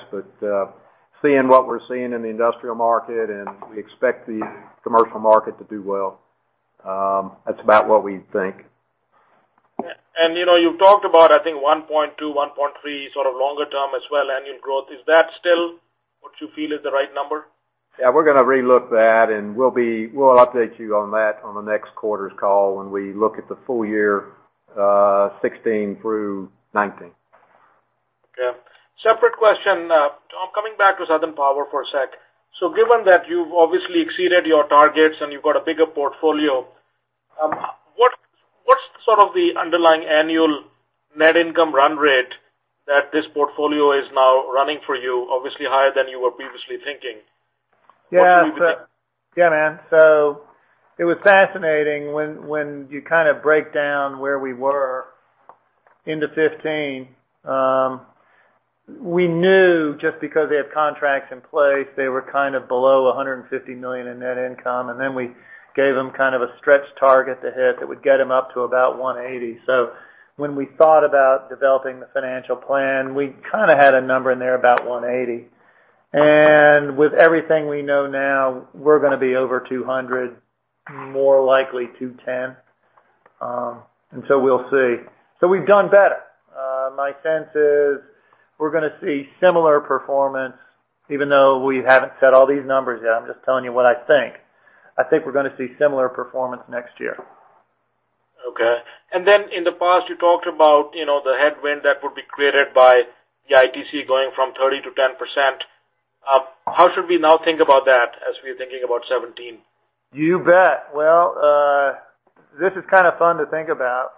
Seeing what we're seeing in the industrial market, we expect the commercial market to do well, that's about what we think. You've talked about, I think 1.2, 1.3, sort of longer term as well, annual growth. Is that still what you feel is the right number? Yeah, we're going to relook that, and we'll update you on that on the next quarter's call when we look at the full year 2016 through 2019. Okay. Separate question. Tom, coming back to Southern Power for a sec. Given that you've obviously exceeded your targets and you've got a bigger portfolio, what's sort of the underlying annual net income run rate that this portfolio is now running for you? Obviously higher than you were previously thinking. What do you think? Yeah, man. It was fascinating when you kind of break down where we were into 2015. We knew just because they have contracts in place, they were kind of below $150 million in net income. And then we gave them kind of a stretch target to hit that would get them up to about 180. When we thought about developing the financial plan, we kind of had a number in there about 180. With everything we know now, we're going to be over 200. More likely 210. We'll see. We've done better. My sense is we're going to see similar performance, even though we haven't set all these numbers yet. I'm just telling you what I think. I think we're going to see similar performance next year. Okay. In the past, you talked about the headwind that would be created by the ITC going from 30% to 10%. How should we now think about that, as we're thinking about 2017? You bet. Well, this is kind of fun to think about,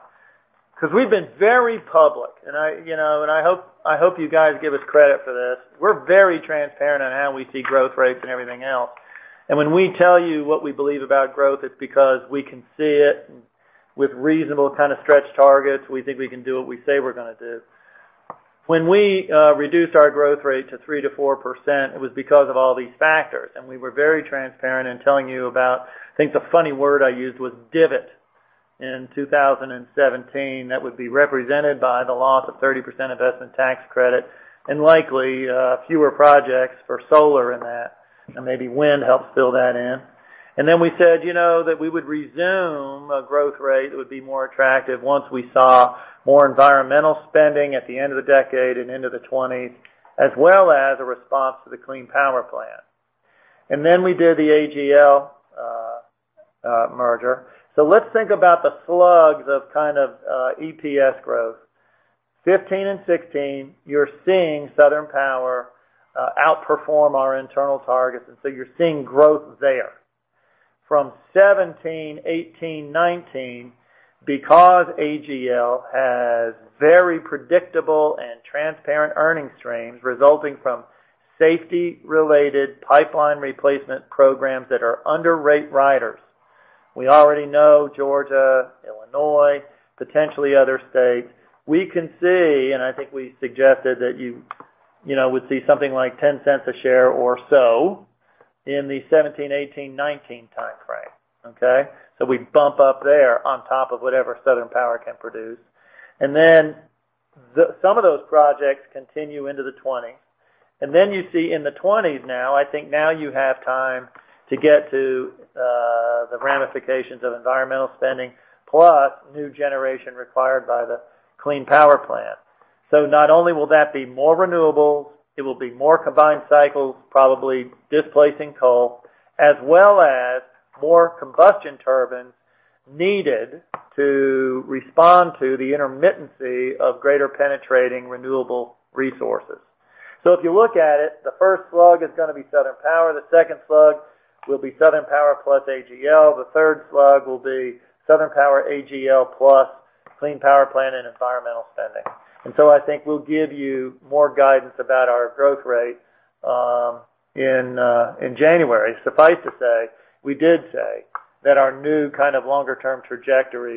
because we've been very public, and I hope you guys give us credit for this. We're very transparent on how we see growth rates and everything else. When we tell you what we believe about growth, it's because we can see it. With reasonable kind of stretch targets, we think we can do what we say we're going to do. When we reduced our growth rate to 3% to 4%, it was because of all these factors, and we were very transparent in telling you about, I think the funny word I used was divot in 2017. That would be represented by the loss of 30% investment tax credit and likely, fewer projects for solar in that, and maybe wind helped fill that in. We said that we would resume a growth rate that would be more attractive once we saw more environmental spending at the end of the decade and into the 2020s, as well as a response to the Clean Power Plan. We did the AGL merger. Let's think about the slugs of kind of EPS growth. 2015 and 2016, you're seeing Southern Power outperform our internal targets, and so you're seeing growth there. From 2017, 2018, 2019, because AGL has very predictable and transparent earnings streams resulting from safety-related pipeline replacement programs that are under rate riders. We already know Georgia, Illinois, potentially other states. We can see, and I think we suggested that you would see something like $0.10 a share or so in the 2017, 2018, 2019 time frame. Okay? We bump up there on top of whatever Southern Power can produce. Some of those projects continue into the 2020s. You see in the 2020s now, I think now you have time to get to the ramifications of environmental spending, plus new generation required by the Clean Power Plan. Not only will that be more renewables, it will be more combined cycles, probably displacing coal, as well as more combustion turbines needed to respond to the intermittency of greater penetrating renewable resources. If you look at it, the first slug is going to be Southern Power. The second slug will be Southern Power plus AGL. The third slug will be Southern Power, AGL plus Clean Power Plan and environmental spending. I think we'll give you more guidance about our growth rate in January. Suffice to say, we did say that our new kind of longer-term trajectory,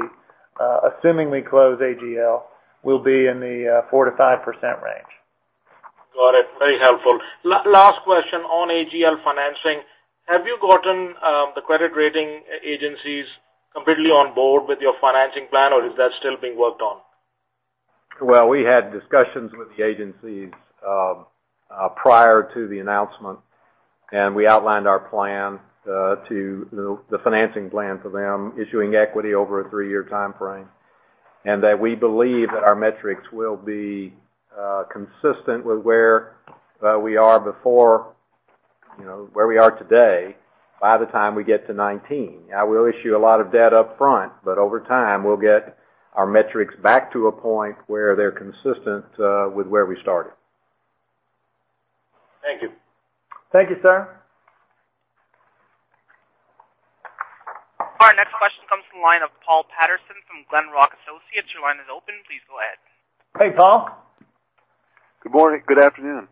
assuming we close AGL, will be in the 4%-5% range. Got it. Very helpful. Last question on AGL financing. Have you gotten the credit rating agencies completely on board with your financing plan, or is that still being worked on? Well, we had discussions with the agencies prior to the announcement. We outlined our plan, the financing plan for them, issuing equity over a three-year timeframe, that we believe that our metrics will be consistent with where we are before, where we are today, by the time we get to 2019. We'll issue a lot of debt up front, over time, we'll get our metrics back to a point where they're consistent with where we started. Thank you. Thank you, sir. Our next question comes from the line of Paul Patterson from Glenrock Associates. Your line is open. Please go ahead. Hey, Paul. Good morning. Good afternoon.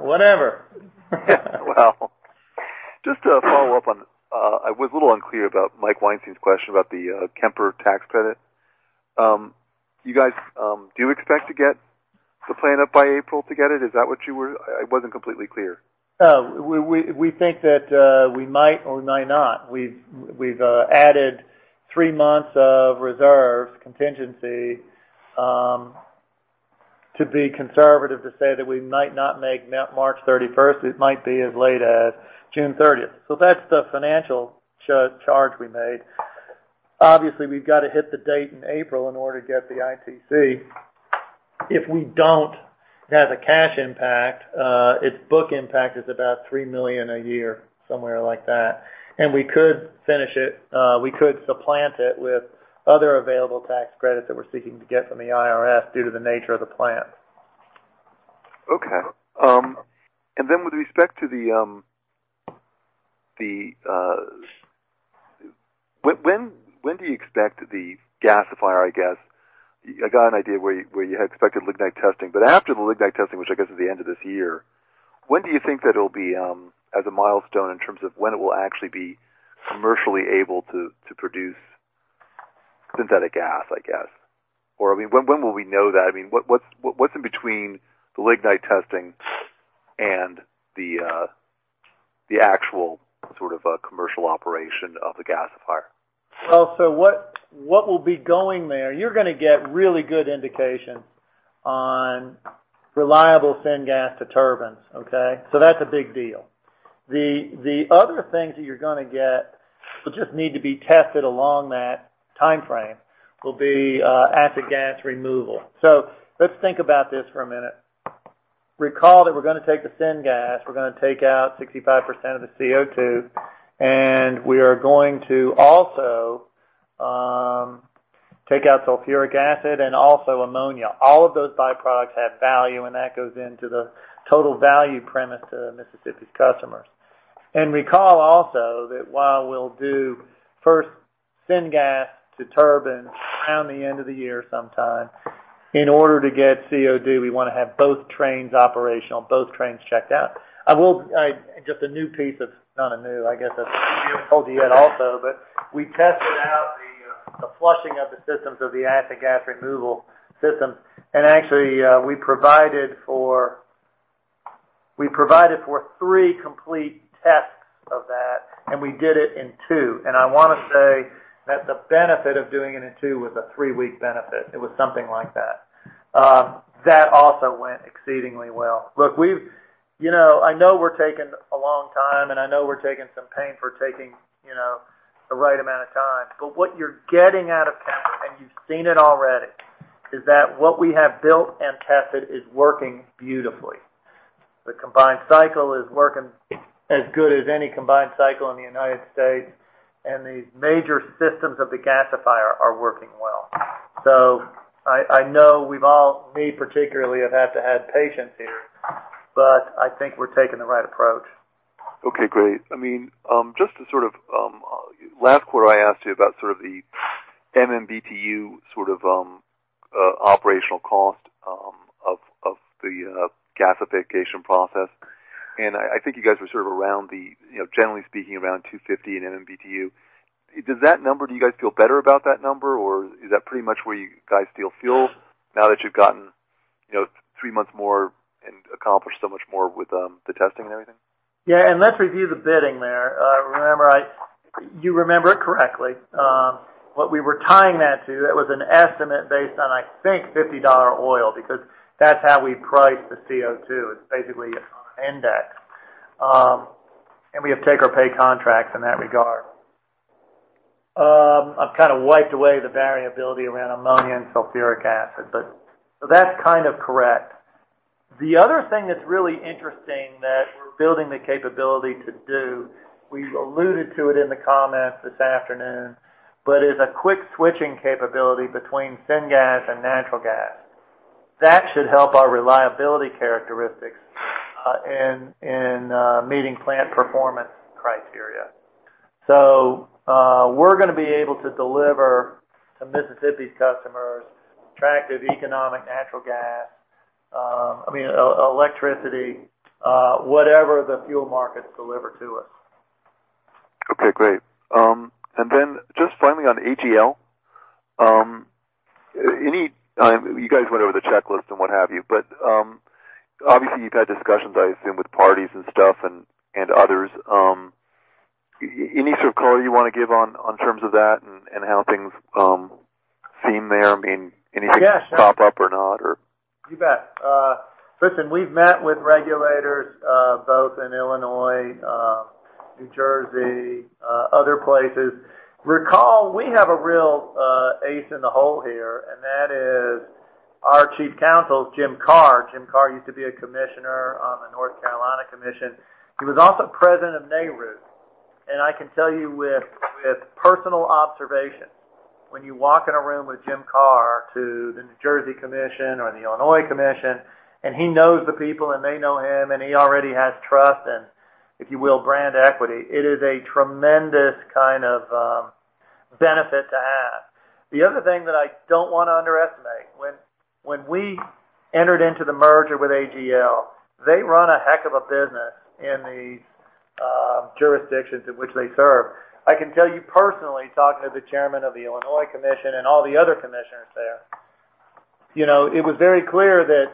Whatever. Well, just to follow up on, I was a little unclear about Michael Weinstein's question about the Kemper tax credit. You guys, do you expect to get the plan up by April to get it? Is that what you were? I wasn't completely clear. We think that we might or might not. We've added three months of reserve contingency to be conservative to say that we might not make March 31st. It might be as late as June 30th. That's the financial charge we made. Obviously, we've got to hit the date in April in order to get the ITC. If we don't, it has a cash impact. Its book impact is about $3 million a year, somewhere like that. We could finish it. We could supplant it with other available tax credits that we're seeking to get from the IRS due to the nature of the plan. Okay. With respect to the, when do you expect the gasifier, I guess. I got an idea where you had expected lignite testing, but after the lignite testing, which I guess is the end of this year, when do you think that it'll be, as a milestone in terms of when it will actually be commercially able to produce synthetic gas, I guess? When will we know that? What's in between the lignite testing and the actual sort of commercial operation of the gasifier? Well, what will be going there, you're going to get really good indication on reliable syngas to turbines. Okay? That's a big deal. The other things that you're going to get will just need to be tested along that timeframe will be acid gas removal. Let's think about this for a minute. Recall that we're going to take the syngas, we're going to take out 65% of the CO2, and we are going to also take out sulfuric acid and also ammonia. All of those byproducts have value, and that goes into the total value premise to Mississippi's customers. Recall also that while we'll do first syngas to turbine around the end of the year sometime, in order to get CO2, we want to have both trains operational, both trains checked out. A new piece of, not a new, I guess that's told to you also, but we tested out the flushing of the systems of the acid gas removal system. Actually, we provided for three complete tests of that, and we did it in two. I want to say that the benefit of doing it in two was a three-week benefit. It was something like that. That also went exceedingly well. I know we're taking a long time, and I know we're taking some pain for taking the right amount of time. What you're getting out of Tampa, and you've seen it already, is that what we have built and tested is working beautifully. The combined cycle is working as good as any combined cycle in the U.S., and the major systems of the gasifier are working well. I know we've all, me particularly, have had to have patience here, but I think we're taking the right approach. Okay, great. Last quarter, I asked you about the MMBtu operational cost of the gasification process, and I think you guys were, generally speaking, around 250 in MMBtu. Do you guys feel better about that number? Is that pretty much where you guys feel now that you've gotten three months more and accomplished so much more with the testing and everything? Let's review the bidding there. You remember it correctly. What we were tying that to, that was an estimate based on, I think, $50 oil because that's how we priced the CO2. It's basically on an index. We have take or pay contracts in that regard. I've kind of wiped away the variability around ammonia and sulfuric acid, but that's kind of correct. The other thing that's really interesting that we're building the capability to do, we've alluded to it in the comments this afternoon, but is a quick switching capability between syngas and natural gas. That should help our reliability characteristics in meeting plant performance criteria. We're going to be able to deliver to Mississippi's customers attractive economic natural gas. I mean, electricity, whatever the fuel markets deliver to us. Okay, great. Just finally on AGL. You guys went over the checklist and what have you, but obviously you've had discussions, I assume, with parties and stuff and others. Any sort of color you want to give on terms of that and how things seem there? Anything pop up or not or? You bet. Listen, we've met with regulators both in Illinois, New Jersey, other places. Recall, we have a real ace in the hole here, and that is our Chief Counsel, Jim Kerr. Jim Kerr used to be a Commissioner on the North Carolina Commission. He was also President of NARUC. I can tell you with personal observation, when you walk in a room with Jim Kerr to the New Jersey Commission or the Illinois Commission, and he knows the people and they know him, and he already has trust and, if you will, brand equity, it is a tremendous kind of benefit to have. The other thing that I don't want to underestimate, when we entered into the merger with AGL, they run a heck of a business in the jurisdictions in which they serve. I can tell you personally, talking to the Chairman of the Illinois Commission and all the other commissioners there, it was very clear that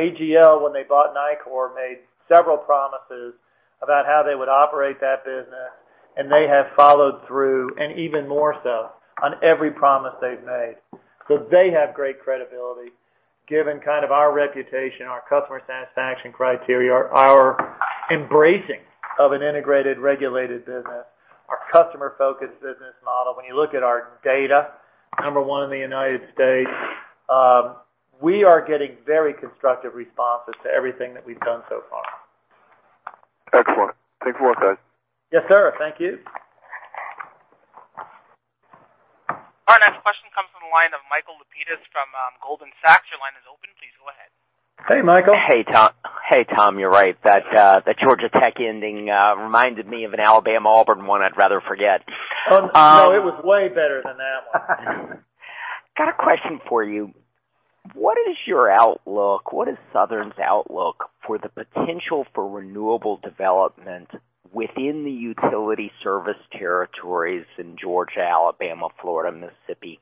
AGL, when they bought Nicor, made several promises about how they would operate that business, and they have followed through, and even more so, on every promise they've made. They have great credibility given our reputation, our customer satisfaction criteria, our embracing of an integrated regulated business, our customer-focused business model. When you look at our data, number one in the U.S. We are getting very constructive responses to everything that we've done so far. Excellent. Thanks for that. Yes, sir. Thank you. Our next question comes from the line of Michael Lapides from Goldman Sachs. Your line is open. Please go ahead. Hey, Michael. Hey, Tom. You're right. That Georgia Tech ending reminded me of an Alabama-Auburn one I'd rather forget. No, it was way better than that one. Got a question for you. What is your outlook? What is Southern's outlook for the potential for renewable development within the utility service territories in Georgia, Alabama, Florida, Mississippi?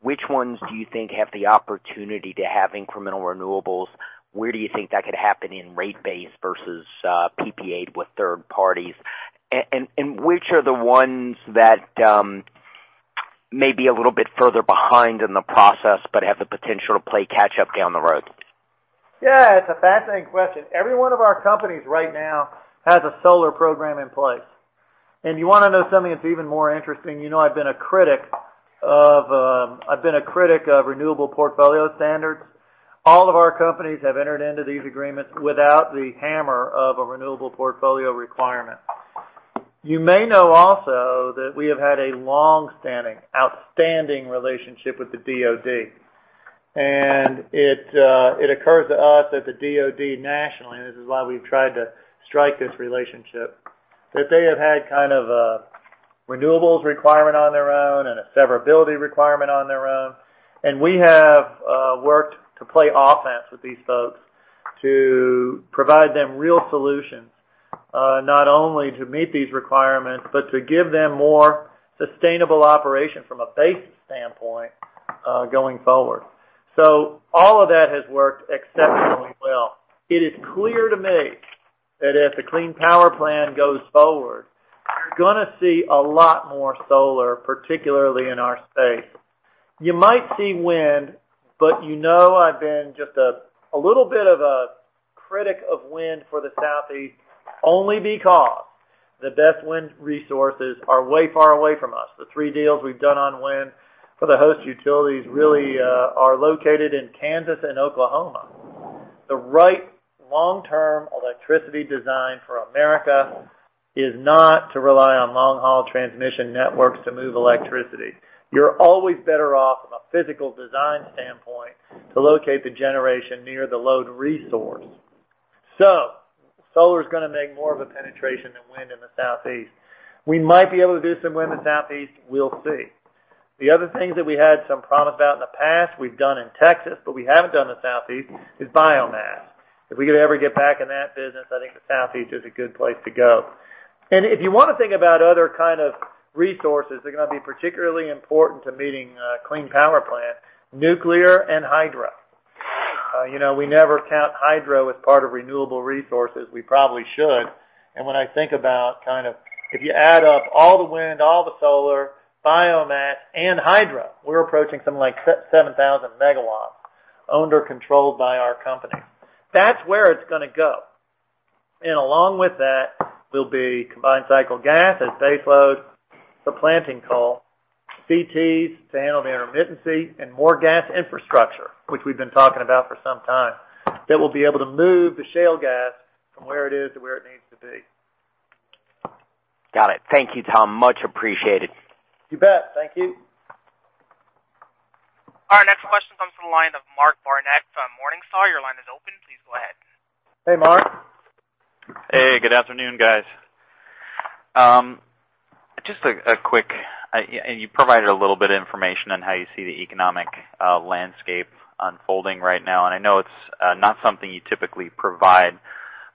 Which ones do you think have the opportunity to have incremental renewables? Where do you think that could happen in rate base versus PPAs with third parties? Which are the ones that may be a little bit further behind in the process but have the potential to play catch up down the road? Yeah. It's a fascinating question. Every one of our companies right now has a solar program in place. You want to know something that's even more interesting? You know I've been a critic of renewable portfolio standards. All of our companies have entered into these agreements without the hammer of a renewable portfolio requirement. You may know also that we have had a long-standing, outstanding relationship with the DoD. It occurs to us that the DoD nationally, and this is why we've tried to strike this relationship, that they have had kind of a renewables requirement on their own and a severability requirement on their own. We have worked to play offense with these folks to provide them real solutions. Not only to meet these requirements, but to give them more sustainable operation from a base standpoint going forward. All of that has worked exceptionally well. It is clear to me that if the Clean Power Plan goes forward, you're going to see a lot more solar, particularly in our space. You might see wind, but you know I've been just a little bit of a critic of wind for the Southeast only because the best wind resources are way far away from us. The three deals we've done on wind for the host utilities really are located in Kansas and Oklahoma. The right long-term electricity design for America is not to rely on long-haul transmission networks to move electricity. You're always better off from a physical design standpoint to locate the generation near the load resource. Solar's going to make more of a penetration than wind in the Southeast. We might be able to do some wind in the Southeast, we'll see. The other things that we had some problems out in the past, we've done in Texas, but we haven't done the Southeast, is biomass. If we could ever get back in that business, I think the Southeast is a good place to go. If you want to think about other kind of resources that are going to be particularly important to meeting Clean Power Plan, nuclear and hydro. We never count hydro as part of renewable resources, we probably should. When I think about kind of if you add up all the wind, all the solar, biomass, and hydro, we're approaching something like 7,000 megawatts owned or controlled by our company. That's where it's going to go. Along with that will be combined cycle gas as base load, supplanting coal, CTs to handle the intermittency, and more gas infrastructure, which we've been talking about for some time. That will be able to move the shale gas from where it is to where it needs to be. Got it. Thank you, Tom. Much appreciated. You bet. Thank you. Our next question comes from the line of Mark Barnett from Morningstar. Your line is open. Please go ahead. Hey, Mark. Hey, good afternoon, guys. Just a quick, and you provided a little bit of information on how you see the economic landscape unfolding right now, and I know it's not something you typically provide.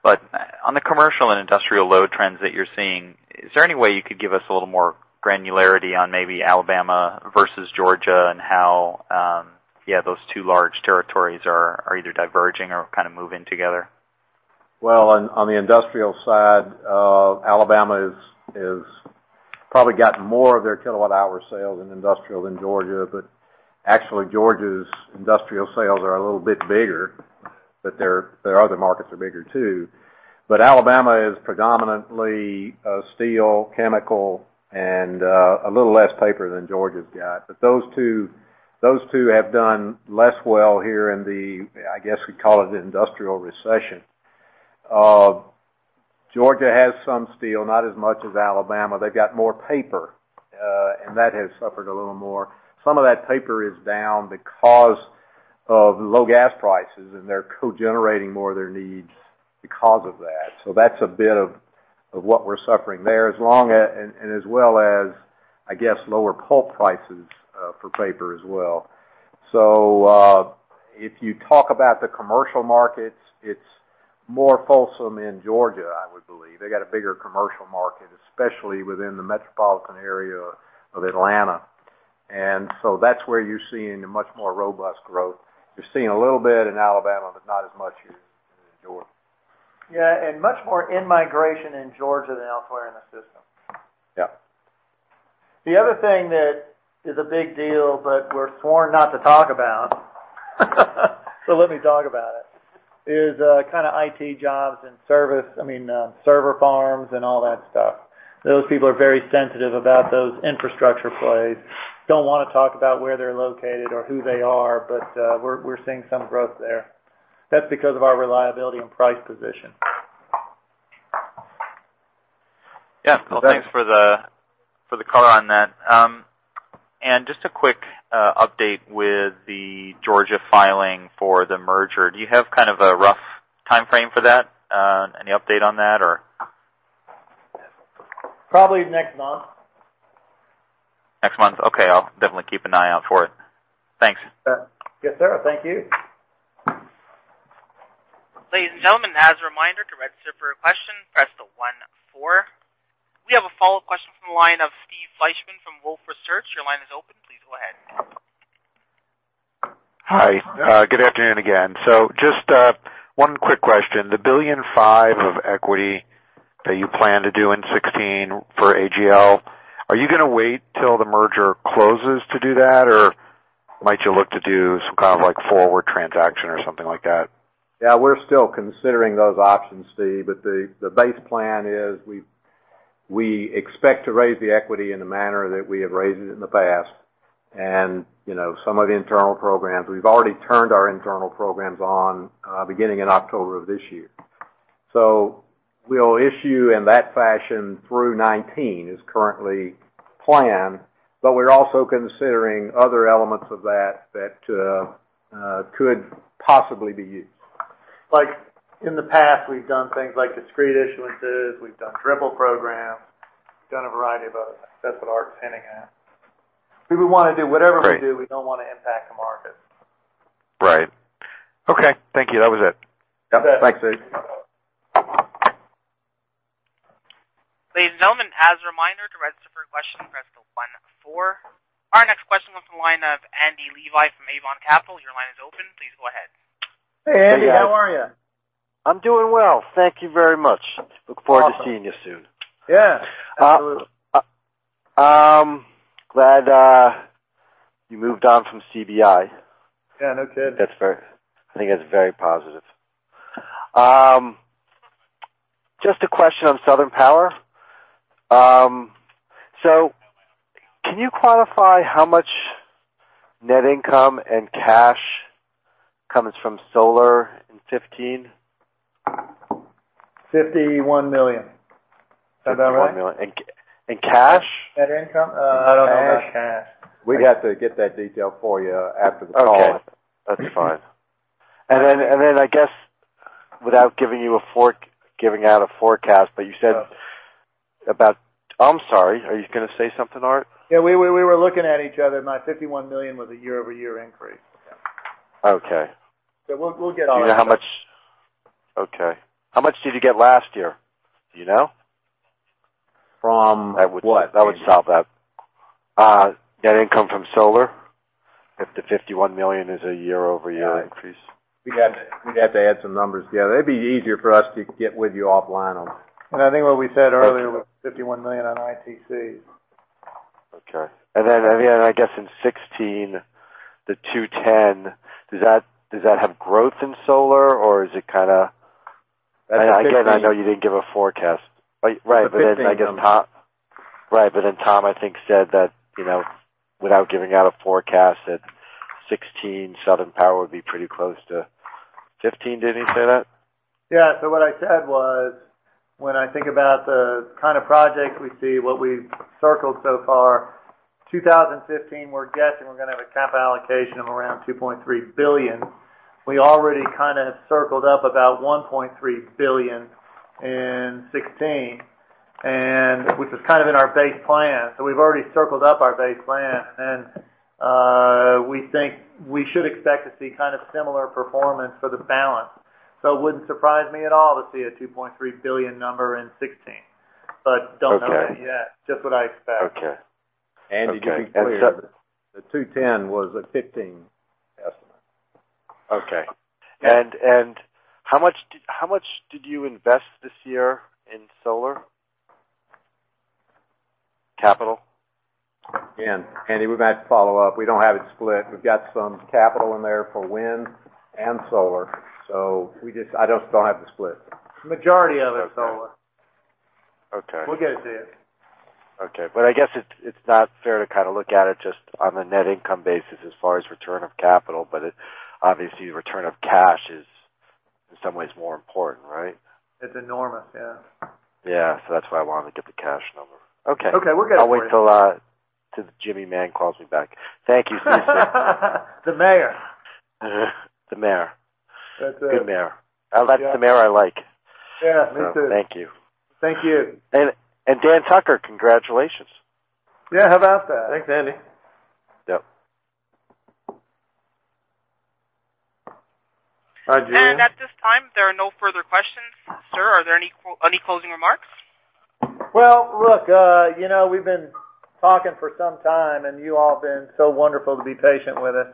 On the commercial and industrial load trends that you're seeing, is there any way you could give us a little more granularity on maybe Alabama versus Georgia and how those two large territories are either diverging or kind of moving together? On the industrial side, Alabama is probably got more of their kilowatt hour sales in industrial than Georgia. Actually, Georgia's industrial sales are a little bit bigger, but their other markets are bigger, too. Alabama is predominantly steel, chemical, and a little less paper than Georgia's got. Those two have done less well here in the, I guess we call it the industrial recession. Georgia has some steel, not as much as Alabama. They've got more paper. That has suffered a little more. Some of that paper is down because of low gas prices, and they're co-generating more of their needs because of that. That's a bit of what we're suffering there. As well as, I guess, lower pulp prices for paper as well. If you talk about the commercial markets, it's more fulsome in Georgia, I would believe. They've got a bigger commercial market, especially within the metropolitan area of Atlanta. That's where you're seeing a much more robust growth. You're seeing a little bit in Alabama, but not as much as in Georgia. Yeah, much more in-migration in Georgia than elsewhere in the system. Yeah. The other thing that is a big deal, we're sworn not to talk about, let me talk about it, is kind of IT jobs and service. I mean, server farms and all that stuff. Those people are very sensitive about those infrastructure plays. They don't want to talk about where they're located or who they are, we're seeing some growth there. That's because of our reliability and price position. Well, thanks for the color on that. Just a quick update with the Georgia filing for the merger. Do you have kind of a rough timeframe for that? Any update on that, or? Probably next month. Next month? Okay. I'll definitely keep an eye out for it. Thanks. Yes, sir. Thank you. Ladies and gentlemen, as a reminder, to register for a question, press the 1-4. We have a follow-up question from the line of Steve Fleishman from Wolfe Research. Your line is open. Please go ahead. Hi. Good afternoon again. Just one quick question. The $1.5 billion of equity that you plan to do in 2016 for AGL, are you going to wait till the merger closes to do that? Or might you look to do some kind of forward transaction or something like that? We're still considering those options, Steve, The base plan is we expect to raise the equity in the manner that we have raised it in the past. Some of the internal programs, we've already turned our internal programs on beginning in October of this year. We'll issue in that fashion through 2019, is currently planned, We're also considering other elements of that that could possibly be used. In the past, we've done things like discrete issuances, we've done triple programs. We've done a variety of other things. That's what Art's hinting at. We want to do whatever we do, we don't want to impact the market. Right. Okay. Thank you. That was it. Yep. Thanks, Steve. Ladies and gentlemen, as a reminder, to register for a question, press the one-four. Our next question comes from the line of Andy Levi from Avon Capital. Your line is open. Please go ahead. Hey, Andy, how are you? I'm doing well. Thank you very much. Look forward to seeing you soon. Yeah, absolutely. Glad you moved on from CB&I. Yeah, no kidding. I think that's very positive. Just a question on Southern Power. Can you quantify how much net income and cash comes from solar in 2015? $51 million. Is that about right? $51 million. In cash? Net income? I don't know about cash. We'd have to get that detail for you after the call. Okay. That's fine. Then, I guess, without giving out a forecast, but you said about I'm sorry, are you going to say something, Art? Yeah, we were looking at each other. My $51 million was a year-over-year increase. Okay. We'll get all that. Okay. How much did you get last year? Do you know? From what? That would solve that. Net income from solar, if the $51 million is a year-over-year increase. We'd have to add some numbers together. It'd be easier for us to get with you offline on that. I think what we said earlier was $51 million on ITC. Okay. I guess in 2016, the $210, does that have growth in solar or is it kind of Again, I know you didn't give a forecast. Right. It's a 15 number. Right. Tom, I think, said that without giving out a forecast, that 2016 Southern Power would be pretty close to 2015. Didn't he say that? Yeah. What I said was, when I think about the kind of projects we see, what we've circled so far, 2015, we're guessing we're going to have a cap allocation of around $2.3 billion. We already kind of circled up about $1.3 billion in 2016, which is kind of in our base plan. We've already circled up our base plan, and we think we should expect to see kind of similar performance for the balance. It wouldn't surprise me at all to see a $2.3 billion number in 2016. Don't know it yet. Just what I expect. Okay. Andy, to be clear, the $210 was a 2015 estimate. Okay. How much did you invest this year in solar capital? Andy, we'd have to follow up. We don't have it split. We've got some capital in there for wind and solar, I just don't have the split. Majority of it is solar. Okay. We'll get it to you. Okay. I guess it's not fair to kind of look at it just on a net income basis as far as return of capital, but obviously, return of cash is in some ways more important, right? It's enormous, yeah. Yeah. That's why I wanted to get the cash number. Okay. Okay. We'll get it for you. I'll wait till the Jimmy man calls me back. Thank you. The mayor. The mayor. That's it. Good mayor. That's the mayor I like. Yeah, me too. Thank you. Thank you. Dan Tucker, congratulations. Yeah, how about that? Thanks, Andy. Yep. At this time, there are no further questions. Sir, are there any closing remarks? Well, look, we've been talking for some time, you all have been so wonderful to be patient with us.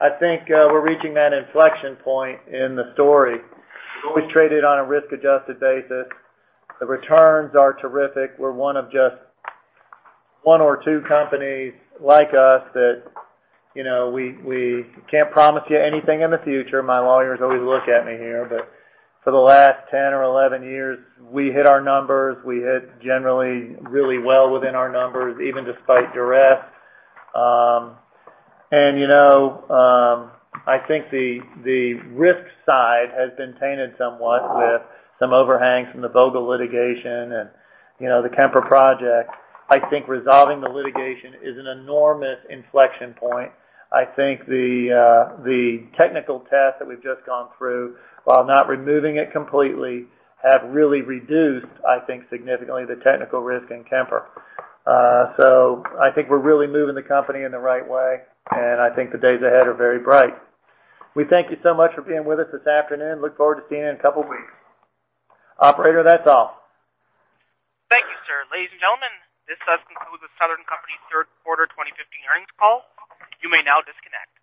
I think we're reaching that inflection point in the story. We've always traded on a risk-adjusted basis. The returns are terrific. We're one of just one or two companies like us that we can't promise you anything in the future. My lawyers always look at me here, for the last 10 or 11 years, we hit our numbers. We hit generally really well within our numbers, even despite duress. I think the risk side has been tainted somewhat with some overhangs from the Vogtle litigation and the Kemper project. I think resolving the litigation is an enormous inflection point. I think the technical test that we've just gone through, while not removing it completely, have really reduced, I think, significantly the technical risk in Kemper. I think we're really moving the company in the right way, I think the days ahead are very bright. We thank you so much for being with us this afternoon. Look forward to seeing you in a couple of weeks. Operator, that's all. Thank you, sir. Ladies and gentlemen, this does conclude The Southern Company third quarter 2015 earnings call. You may now disconnect.